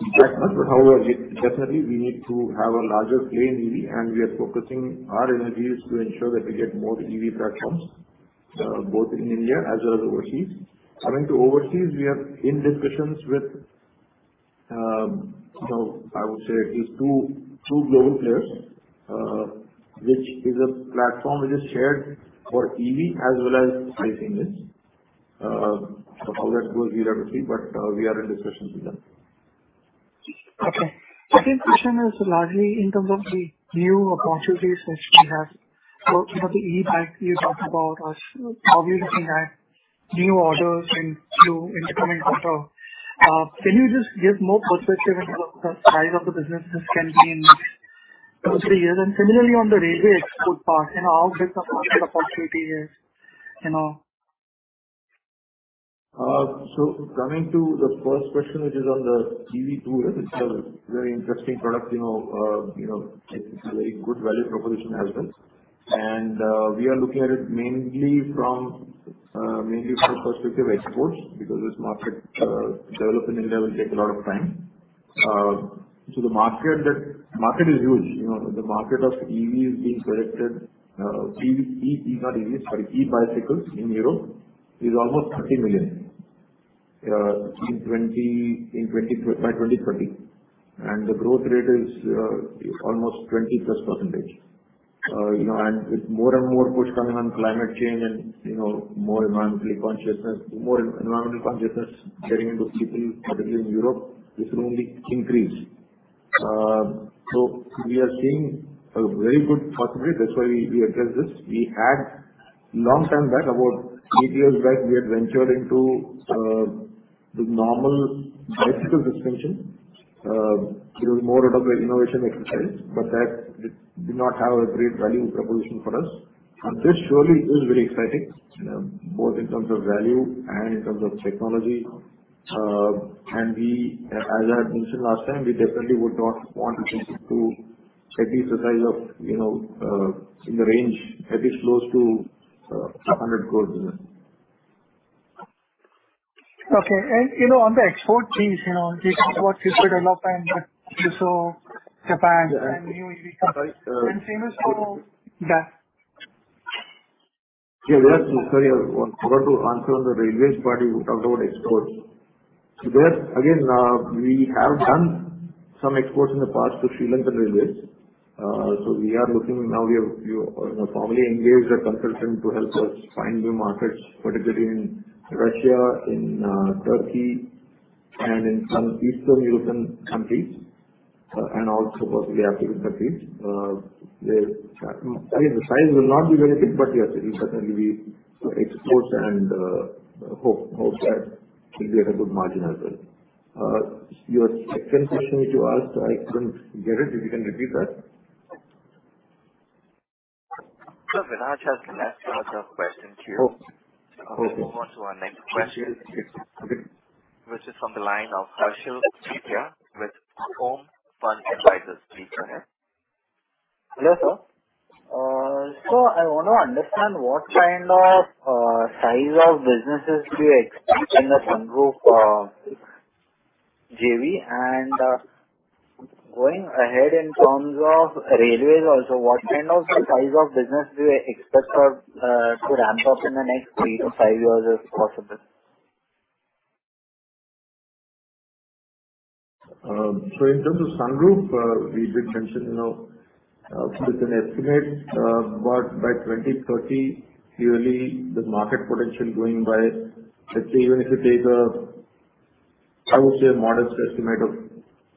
be that much. However, it definitely we need to have a larger play in EV, and we are focusing our energies to ensure that we get more EV platforms, both in India as well as overseas. Coming to overseas, we are in discussions with, you know, I would say these two, two global players, which is a platform which is shared for EV as well as ICE engines. So how that goes we will have to see, but, we are in discussions with them. Okay. Second question is largely in terms of the new opportunities which we have. So for the EV bike you talked about, how we are looking at new orders in the coming quarter. Can you just give more perspective in terms of the size of the business this can be in 2, 3 years? And similarly, on the railway export part, you know, how big of an opportunity is, you know? So coming to the first question, which is on the EV two-wheeler, it's a very interesting product, you know. You know, it's a very good value proposition as well. And we are looking at it mainly from, mainly from the perspective of exports, because this market development in India will take a lot of time. So the market that—market is huge. You know, the market of EV is being selected, EV, not EV, sorry, e-bicycles in Europe is almost 30 million, in twenty, in twenty... By 2030. And the growth rate is, is almost 20%+. You know, and with more and more push coming on climate change and, you know, more environmentally consciousness, more environmental consciousness getting into people, particularly in Europe, this will only increase. So we are seeing a very good possibility, that's why we, we addressed this. We had long time back, about 8 years back, we had ventured into the normal bicycle distribution. It was more out of the innovation exercise, but that did not have a great value proposition for us. And this surely is very exciting, you know, both in terms of value and in terms of technology. And we, as I had mentioned last time, we definitely would not want to take it to at least the size of, you know, in the range, at least close to 100 crore. Okay. You know, on the export piece, you know, this is what you developed and so Japan and new- Yeah. And same as for that. Yeah, yes, sorry, I forgot to answer on the railways part. You talked about exports. So there again, we have done some exports in the past to Sri Lankan railways. So we are looking now, we have, you know, formally engaged a consultant to help us find new markets, particularly in Russia, in Turkey, and in some Eastern European countries, and also the African countries. The, I mean, the size will not be very big, but yes, it will certainly be exports and, hope, hope that will be at a good margin as well. Your second question which you asked, I couldn't get it. If you can repeat that. Sir, Vinay just left another question to you. Oh, okay. We'll move on to our next question, which is from the line of Harshal Chipia with Home Fund Advisors. Please go ahead. Yes, sir. So I want to understand what kind of size of businesses do you expect in the sunroof JV? And, going ahead in terms of railways also, what kind of the size of business do you expect for to ramp up in the next 3-5 years, if possible? In terms of sunroof, we did mention, you know, with an estimate, but by 2030, purely the market potential going by, let's say, even if you take a, I would say, a modest estimate of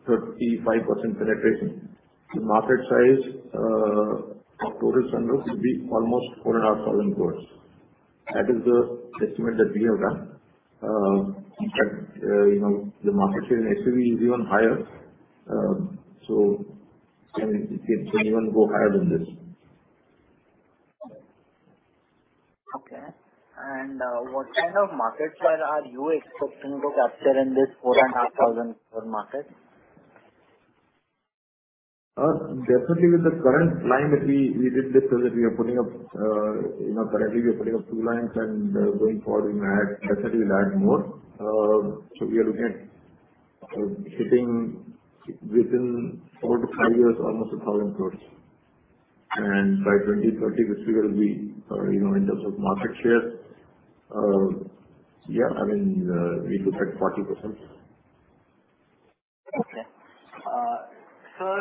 35% penetration, the market size of total sunroof would be almost 4,500 crore. That is the estimate that we have done. In fact, you know, the market share in SUV is even higher, so it can even go higher than this. Okay. And, what kind of market share are you expecting to capture in this 4,500 crore market? Definitely with the current line that we, we did this, is that we are putting up, you know, currently we are putting up two lines, and, going forward, we may add, definitely add more. So we are looking at hitting within 4-5 years, almost 1,000 crore. And by 2030, this figure will be, you know, in terms of market share, yeah, I mean, we look at 40%. Okay. Sir,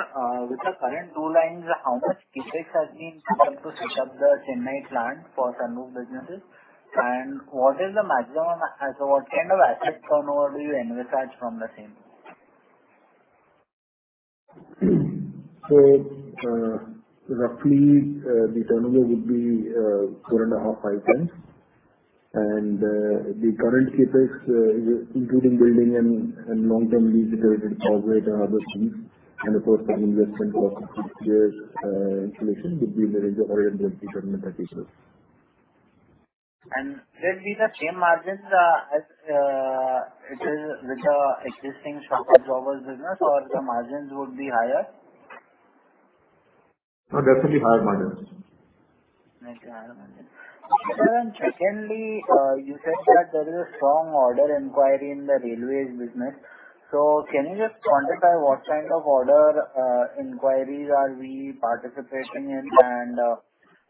with the current two lines, how much CapEx has been done to set up the Chennai plant for sunroof businesses? And what is the maximum, so what kind of asset turnover do you envisage from the same? So, roughly, the turnover would be 4.5-5 times. And, the current CapEx, including building and, and long-term lease with PowerGrid and other things, and of course, the investment for this, installation would be in the range of INR 450 million. Will it be the same margins as it is with the existing shock absorbers business, or the margins would be higher? No, definitely higher margins. Okay, higher margins. Sir, and secondly, you said that there is a strong order inquiry in the railways business. So can you just quantify what kind of order inquiries are we participating in? And,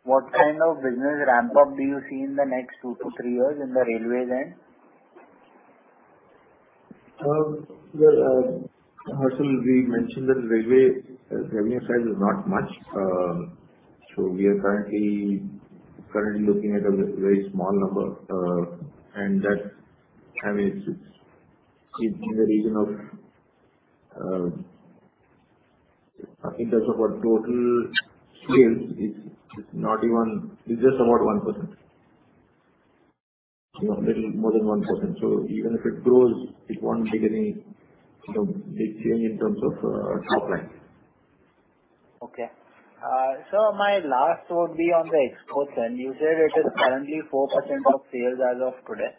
what kind of business ramp up do you see in the next 2-3 years in the railways end? Well, Harsha, we mentioned that railway revenue size is not much. So we are currently looking at a very small number, and that's... I mean, it's, it's in the region of, in terms of our total sales, it's, it's not even. It's just about 1%. You know, little more than 1%. So even if it grows, it won't make any, you know, big change in terms of, top line. Okay. Sir, my last would be on the exports. You said it is currently 4% of sales as of today.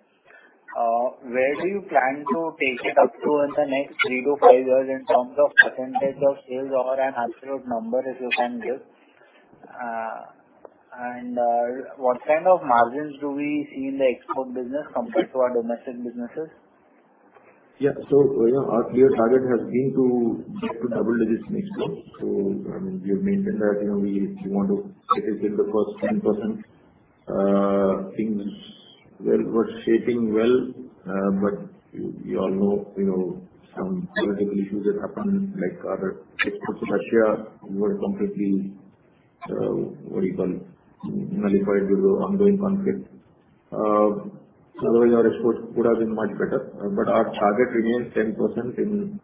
Where do you plan to take it up to in the next 3-5 years in terms of percentage of sales or an absolute number, if you can give? And what kind of margins do we see in the export business compared to our domestic businesses? Yeah. So, you know, our clear target has been to double digits next year. So, I mean, we have maintained that, you know, we want to get it in the first 10%. Things were shaping well, but you all know, you know, some political issues that happened, like our exports to Russia were completely nullified due to ongoing conflict. Otherwise our exports could have been much better, but our target remains 10% in,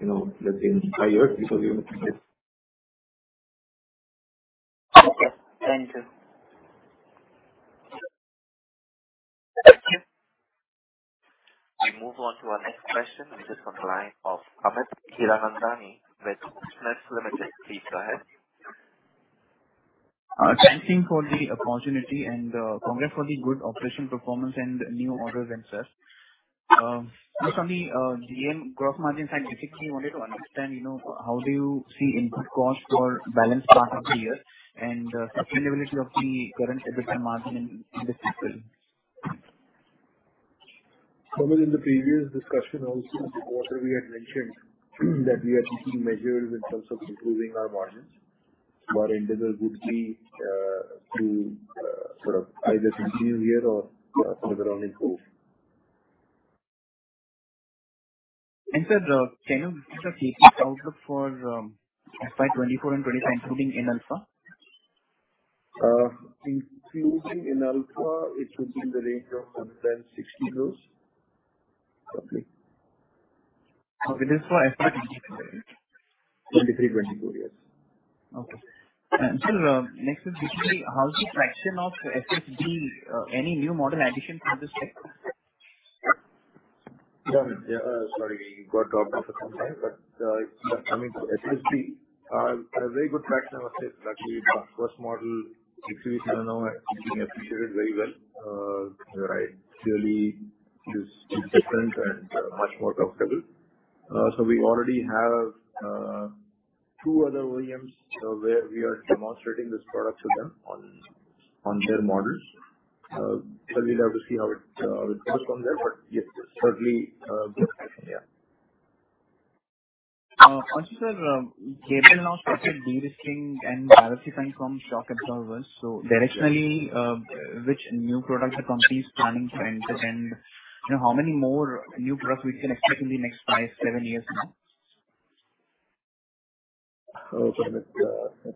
you know, let's say, in five years. Okay, thank you. Thank you. We move on to our next question, which is from the line of Amit Hiranandani with Kotak Limited. Please go ahead. Thank you for the opportunity and, congrats for the good operation performance and new orders and such. Just on the GM gross margin side, basically wanted to understand, you know, how do you see input cost for balance part of the year and, sustainability of the current EBITDA margin in this fiscal? Amit, in the previous discussion also, quarter we had mentioned that we are taking measures in terms of improving our margins, but interval would be to sort of either continue here or further on improve. Sir, can you give us an outlook for FY 2024 and 2025, including Inalfa? Including in Inalfa, it should be in the range of 160 crore, roughly. Okay, that's for FY 2023, right? 2023, 2024, yes. Okay. Sir, next is basically, how's the traction of SSG, any new model addition for this sector? Yeah. Sorry, you got dropped off for some time, but coming to SSG, a very good traction of it. Luckily, our first model, 67 now, is being appreciated very well, where I clearly use different and much more comfortable. So we already have 2 other OEMs where we are demonstrating this product to them on their models. So we'll have to see how it goes from there, but yes, certainly good traction, yeah. Also, sir, Gabriel now started derisking and diversifying from shock absorbers. So directionally, which new products the company is planning to enter, and you know, how many more new products we can expect in the next 5, 7 years now? Oh, Amit,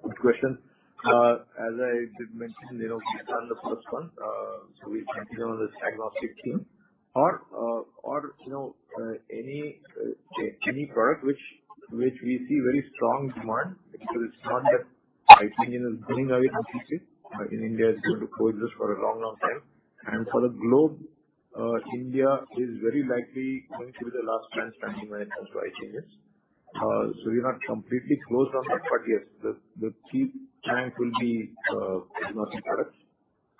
good question. As I did mention, you know, we are on the first one. So we continue on this agnostic theme or, or you know, any, any product which, which we see very strong demand, because it's not that ICE engine is going away, but in India, it's going to co-exist for a long, long time. And for the globe, India is very likely going to be the last transitioning when it comes to ICE engines. So we're not completely closed on that, but yes, the, the key thing will be, you know, products.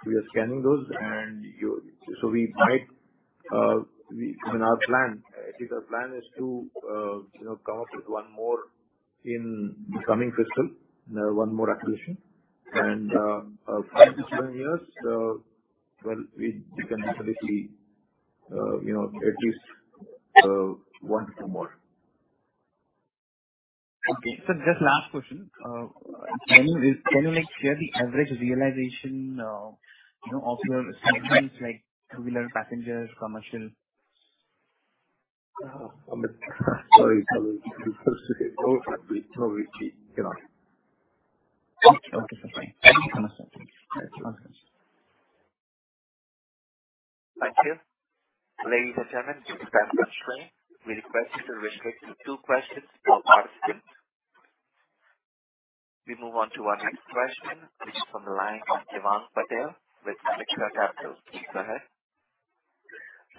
We are scanning those, and you-- So we might, we. In our plan, I think our plan is to, you know, come up with one more in the coming fiscal, one more acquisition. 5-7 years, well, we can naturally see, you know, at least one or more. Okay. So just last question. Can you, can you, like, share the average realization, you know, of your segments, like two-wheeler, passengers, commercial? Amit, sorry, Amit. No, no, we cannot. Okay. Okay, sir. Thank you. Thank you. Ladies and gentlemen, thank you very much. We request you to restrict to two questions per participant. We move on to our next question, which is from the line of Hemal Patel with Aditya Birla. Please go ahead.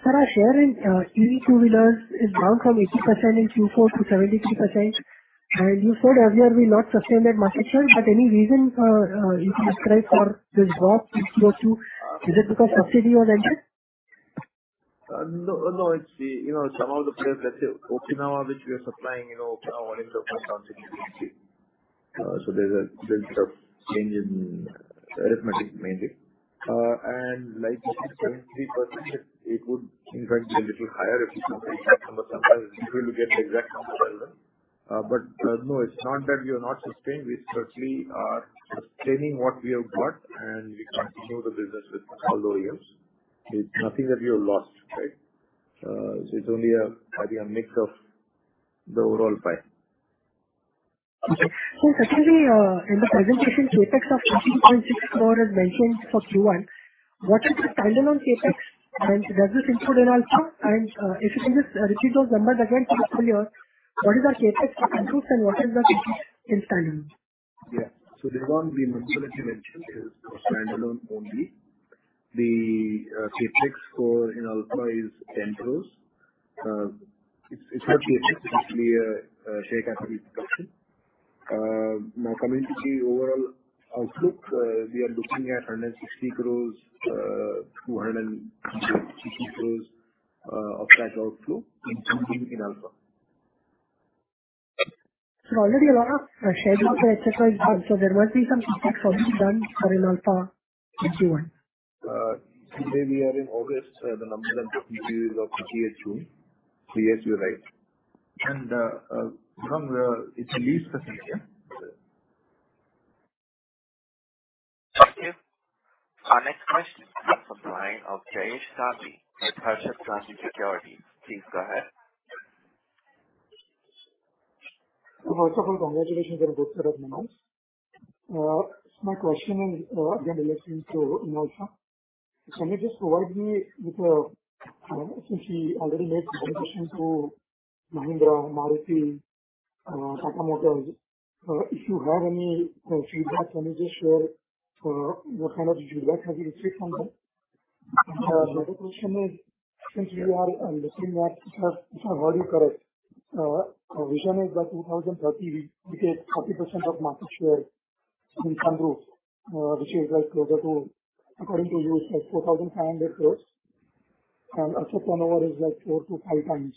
Sir, our share in EV two-wheelers is down from 80% in Q4 to 73%. You said earlier, we not sustained that market share, but any reason you can describe for this drop in Q2, is it because subsidy was ended? No, no, it's the, you know, some of the players, let's say, Okinawa, which we are supplying, you know, Okinawa volumes have been consistently, so there's a little bit of change in arithmetic, mainly. And like you said, 73%, it would in fact be a little higher if you compare the number. Sometimes it's difficult to get the exact number, but, but no, it's not that we are not sustained. We certainly are sustaining what we have got, and we continue the business with all OEMs. It's nothing that we have lost, right? It's only a, maybe a mix of the overall pie. Okay. So secondly, in the presentation, CapEx of 20.6 crore is mentioned for Q1. What is the standalone CapEx, and does this include Inalfa? And, if you can just repeat those numbers again, please, earlier. What is our CapEx for Q1, and what is the CapEx in standalone? Yeah. So the one we mentioned is standalone only. The CapEx for Inalfa is 10 crore. It's not CapEx, it's actually a share after reproduction. Now, coming to the overall outlook, we are looking at 160 crore-260 crore of that outflow in Inalfa. Already a lot of share of the CapEx is done, so there must be some CapEx already done for Inalfa in Q1. Today we are in August, the numbers are of QHU. QHU, right. From the, it's least significant. Thank you. Our next question comes from the line of Jayesh Sabi with Parsha Trans Security. Please go ahead.... First of all, congratulations on a good set of numbers. My question is, again, listening to Himanshu. Can you just provide me with, since he already made comparison to Mahindra, Maruti, Tata Motors. If you have any feedback, can you just share what kind of feedback have you received from them? My other question is, since you are looking at, if I, if I heard you correct, our vision is by 2030, we get 40% of market share in sunroof, which is like closer to, according to you, it's like 4,500 crore. And our turnover is like 4-5 times.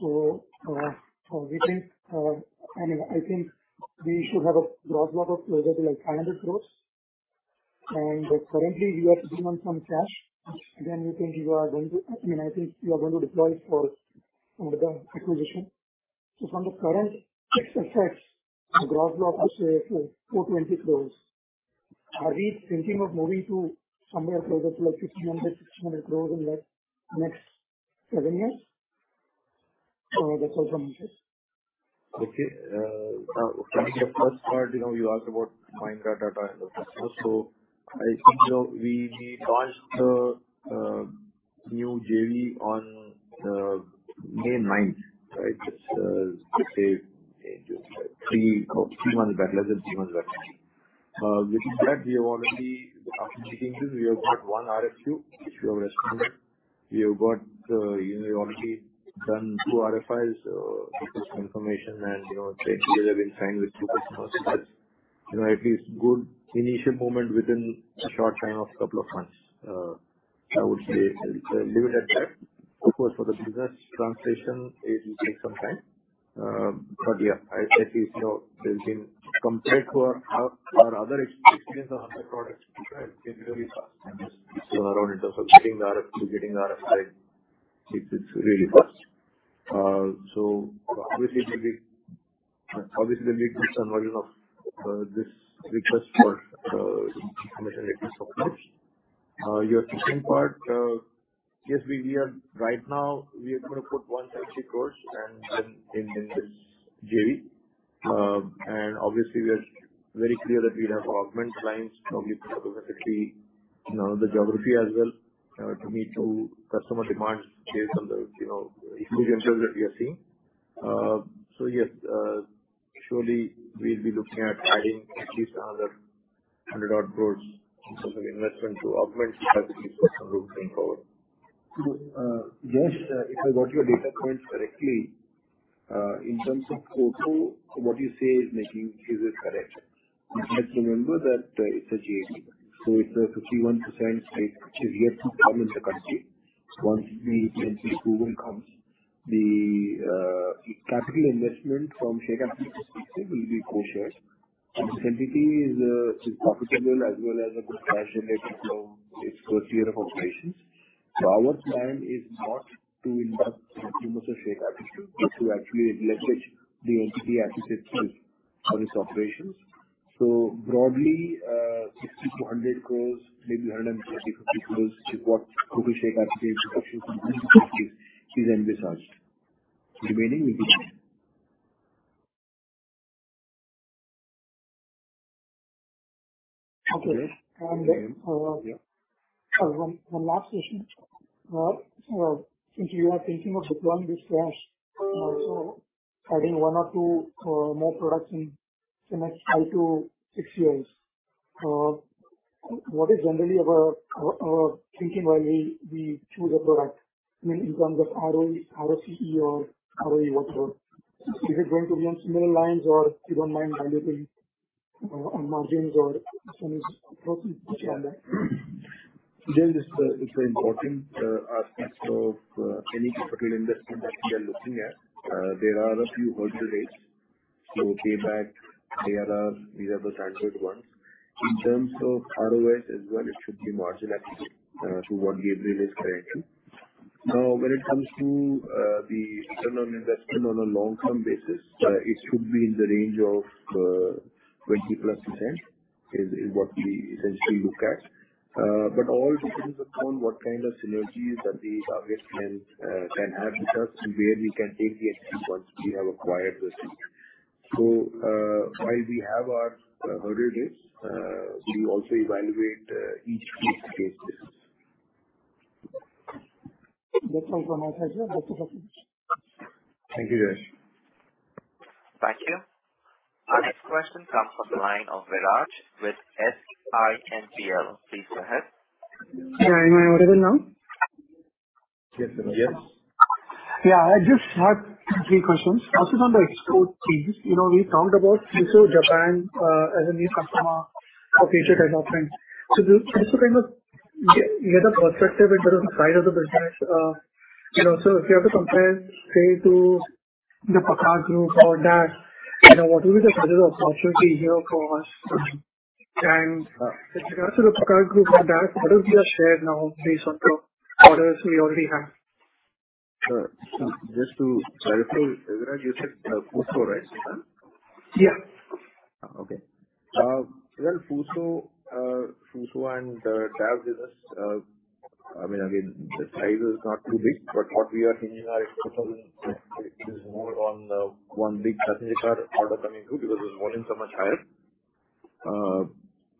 So, so we think, I mean, I think we should have a gross profit of closer to, like, 500 crore. Currently, you are sitting on some cash, which then you think you are going to—I mean, I think you are going to deploy for some of the acquisition. So from the current fixed assets, the gross profit is 420 crore. Are we thinking of moving to somewhere closer to, like, 600 crore, 600 crore in the next 7 years? That's all from me, sir. Okay. Coming to the first part, you know, you asked about Mahindra, Tata, and other customers. So I think, you know, we launched the new JV on May ninth, right? Just say 3 months back—less than 3 months back. With that, we have already, after checking, we have got 1 RFQ, which we have responded. We have got, you know, we've already done 2 RFIs with this information, and, you know, the agreements have been signed with 2 customers. You know, it is good initial moment within a short time of couple of months. I would say leave it at that. Of course, for the business translation, it will take some time. But, yeah, I think, you know, building compared to our other experience on other products, it's really fast. So around in terms of getting the RFQ, getting the RFI, it's really fast. So obviously, it will be obviously, there'll be some version of this request for information request. Your second part, yes, we are right now, we are going to put 150 crores in this JV. And obviously, we are very clear that we'd have to augment lines, probably geographically, you know, the geography as well, to meet customer demands based on the, you know, inclusion that we are seeing. So, yes, surely we'll be looking at adding at least another 100 odd crores in terms of investment to augment capacity for some growth going forward. So, yes, if I got your data points correctly, in terms of photo, what you say is making is correct. You have to remember that, it's a JV, so it's a 51% stake, which is yet to come in the country. Once the entity approval comes, the capital investment from CapEx approval perspective will be co-shared. This entity is profitable as well as a good cash generating flow its first year of operations. So our plan is not to invest too much of CapEx, but to actually leverage the entity as it stands for its operations. So broadly, 60-100 crores, maybe 150 crores, is what CapEx is envisaged. Remaining will be- Okay. And, one last question. So since you are thinking of deploying this cash, also adding one or two more products in the next five to six years, what is generally our thinking while we choose a product? I mean, in terms of ROE, ROCE or ROE, whatever. Is it going to be on similar lines, or you don't mind evaluating on margins or so is focusing on that? Then this, it's an important aspect of any capital investment that we are looking at. There are a few hurdle rates, so payback, IRR, these are the standard ones. In terms of ROS as well, it should be margin active. So what we agree is correct. Now, when it comes to the return on investment on a long-term basis, it should be in the range of 20%+, is what we essentially look at. But all depends upon what kind of synergies that the target can have with us, and where we can take the exit once we have acquired the seat. So, while we have our hurdle rates, we will also evaluate each use cases. That's all from my side. Thank you, guys. Thank you. Our next question comes from the line of Viraj with SiMPL. Please go ahead. Yeah. Hi, audible now? Yes. Yes. Yeah, I just had three questions. First is on the export theme. You know, we talked about Mitsubishi Japan, as a new customer for future adoption. So just to kind of get a perspective and sort of the size of the business, you know, so if you have to compare, say, to the PACCAR Group or that, you know, what will be the project opportunity here for us? And as regards to the PACCAR Group, what are your share now based on the orders we already have? Just to clarify, Viraj, you said Fuso, right? Yeah.... Okay. Well, FUSO, FUSO and cab business, I mean, again, the size is not too big, but what we are seeing in our exposure is more on the one big passenger car order coming through, because those volumes are much higher.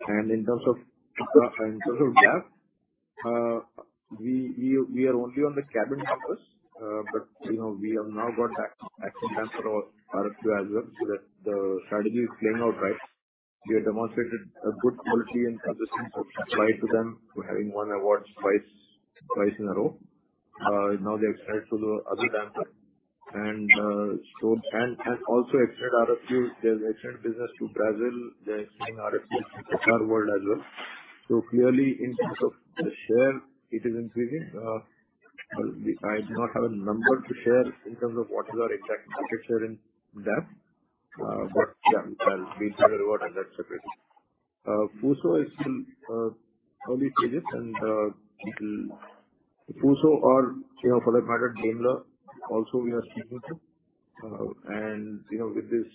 And in terms of cab, we are only on the cabin purpose, but, you know, we have now got that action plan for our RFQ as well, so that the strategy is playing out right. We have demonstrated a good quality and consistency supply to them. We're having won awards twice, twice in a row. Now they've expanded to the other damper. And, so and, and also expand RFQs, there's expand business to Brazil. They're seeing RFQs star world as well. So clearly, in terms of the share, it is increasing. I do not have a number to share in terms of what is our exact market share in depth, but, yeah, I'll be able to work on that separately. FUSO is still early stages, and it'll FUSO or, you know, for that matter, Daimler also we are speaking to, and, you know, with this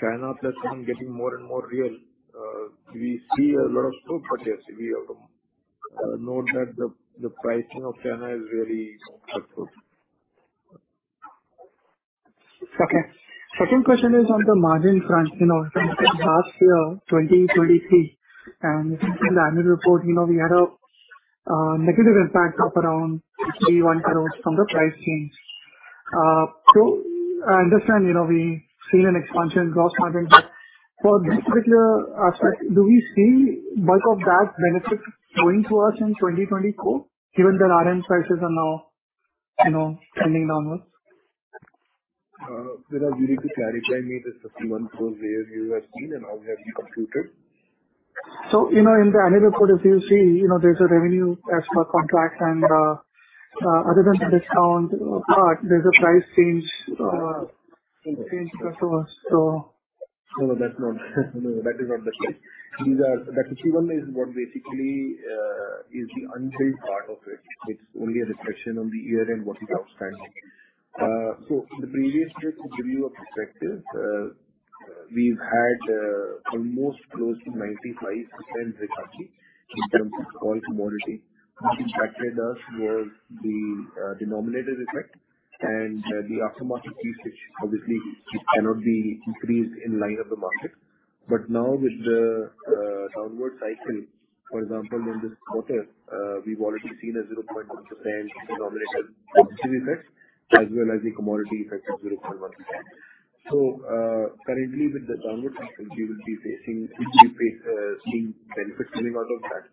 China platform getting more and more real, we see a lot of scope, but yes, we have to note that the pricing of China is very tough. Okay. Second question is on the margin front, you know, last year, 2023, and if you see the annual report, you know, we had a negative impact of around 31 crore from the price change. So I understand, you know, we've seen an expansion in gross margin, but for this particular, do we see bulk of that benefit going to us in 2024, given that iron prices are now, you know, trending downwards? You need to clarify, maybe the 51 crore where you have seen and how we have computed. You know, in the annual report, if you see, you know, there's a revenue as per contract and, other than the discount part, there's a price change to us. No, that's not no, that is not the case. These are... That 51 is what basically is the unfilled part of it. It's only a reflection on the year and what is outstanding. So the previous year, to give you a perspective, we've had almost close to 95% recovery in terms of all commodity, which impacted us was the denominator effect and the aftermarket piece, which obviously cannot be increased in line of the market. But now with the downward cycle, for example, in this quarter, we've already seen a 0.1% denominator effects, as well as the commodity effect of 0.1. So, currently, with the downward cycle, we will be facing, we see seeing benefits coming out of that.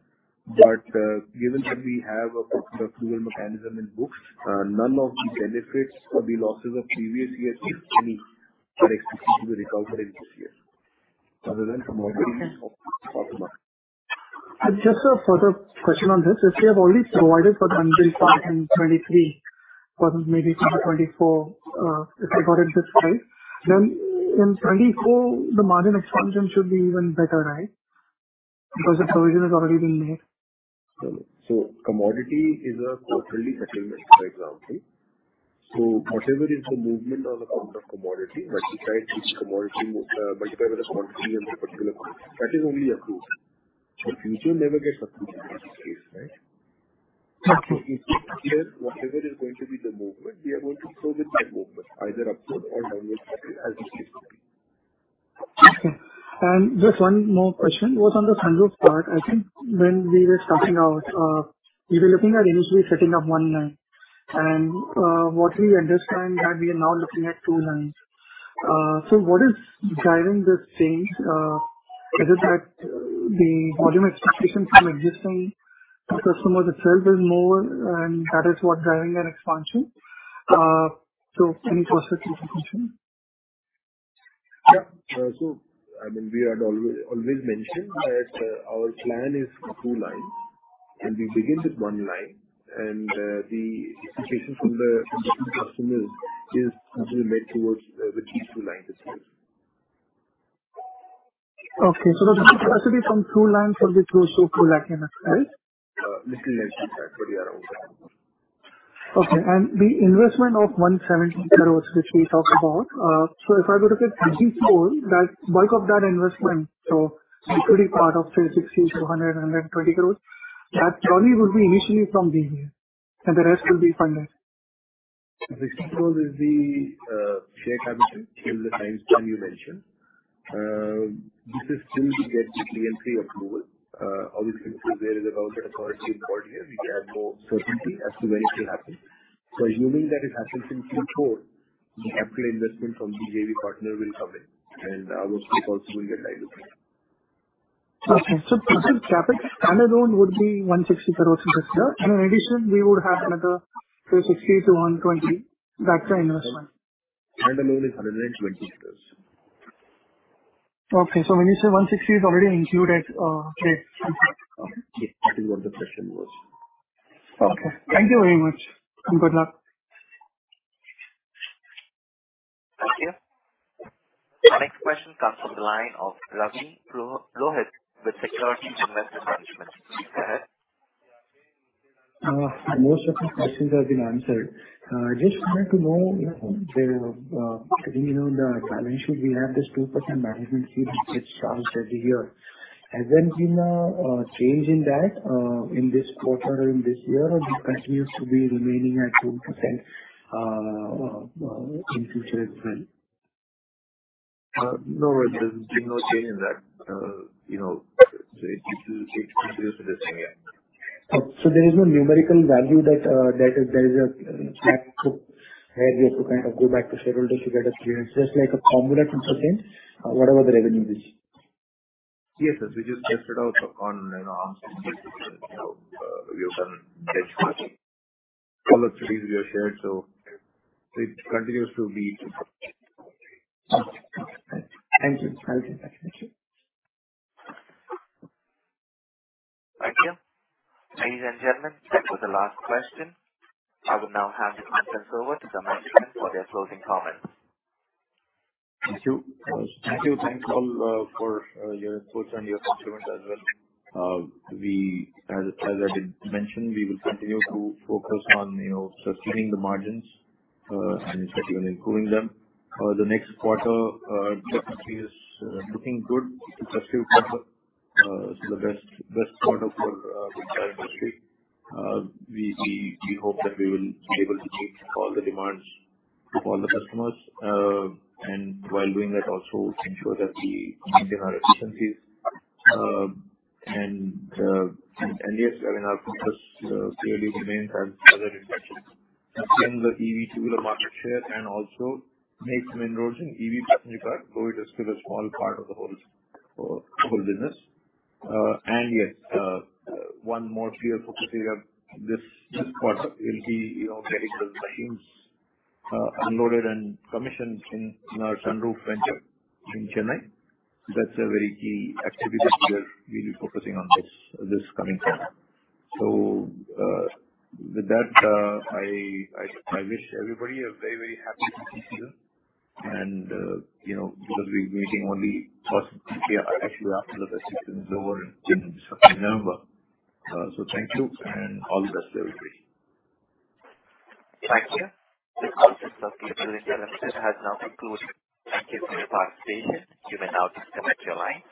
Given that we have a structural mechanism in books, none of the benefits or the losses of previous years, if any, are expected to be recovered in this year, other than from operating- Okay. -market. Just a further question on this. If you have already provided for the 100 part in 2023, or maybe 2024, if I got it this right, then in 2024, the margin expansion should be even better, right? Because the provision has already been made. So commodity is a quarterly settlement, for example. So whatever is the movement on the count of commodity, multiply which commodity, multiply by the quantity in that particular quarter, that is only approved. The future never gets approved in this case, right? Okay. Whatever is going to be the movement, we are going to show with that movement, either upward or downward, as the case may be. Okay. And just one more question. Was on the sunroof part, I think when we were starting out, we were looking at initially setting up one line, and, what we understand that we are now looking at two lines. So what is driving this change? Is it that the volume expectation from existing customers itself is more, and that is what driving an expansion? So any process to the question? Yeah. So, I mean, we had always, always mentioned that our plan is for two lines, and we begin with one line, and the expectation from the, from different customers is to be made towards the these two lines as well. Okay, so the capacity from 2 lines will be 2, so 200,000 units, right? Little less than that, but yeah, around that. Okay. The investment of 170 crore, which we talked about, so if I go to 2024, that bulk of that investment, so the equity part of 260 crore-120 crore, that journey would be initially from here, and the rest will be funded. 24 is the share commitment in the time frame you mentioned. This is still to get PN3 approval. Obviously, so there is a government authority involved here. We have more certainty as to when it will happen. So assuming that it happens in Q4, the capital investment from the JV partner will come in, and our stake also will get diluted. Okay. So capital standard loan would be 160 crore in this year, and in addition, we would have another 260 crore-120 crore. That's the investment. The loan is 120 crore. Okay, so when you say 160 is already included, great. Okay. Yes, that is what the question was. Okay. Thank you very much, and good luck. Thank you. Our next question comes from the line of Ravi Lohit with Securities Investor Management. Go ahead.... Most of the questions have been answered. Just wanted to know, you know, the, you know, the challenge, should we have this 2% management fee, which gets charged every year? Has there been a change in that, in this quarter, in this year, or it continues to be remaining at 2%, in future as well? No, there's been no change in that. You know, it continues to the same, yeah. There is no numerical value that, that is, there is a cap to where we have to kind of go back to schedule just to get a clear, just like a formula to understand whatever the revenue is. Yes, yes. We just tested out on, you know, on, you know, we have done all the studies we have shared, so it continues to be. Okay. Thank you. Thank you. Thank you. Thank you. Ladies and gentlemen, that was the last question. I will now hand the conference over to the management for their closing comments. Thank you. Thank you. Thanks, all, for your inputs and your contributions as well. We, as I did mention, we will continue to focus on, you know, sustaining the margins, and especially on improving them. The next quarter, definitely is looking good. It's a few quarter, so the best, best quarter for the entire industry. We hope that we will be able to meet all the demands of all the customers, and while doing that, also ensure that we maintain our efficiencies. And yes, I mean, our focus clearly remains on further expansion and expand the EV two-wheeler market share and also make some inroads in EV battery pack, though it is still a small part of the whole, whole business. And, yes, one more key focus area, this quarter will be, you know, medical machines unloaded and commissioned in our sunroof venture in Chennai. That's a very key activity that we are really focusing on this coming quarter. So, with that, I wish everybody a very, very happy new year. And, you know, because we're meeting only possibly, actually, after the session is over in November. So thank you, and all the best to everybody. Thank you. The conference of Gabriel India Limited has now concluded. Thank you for your participation. You may now disconnect your line.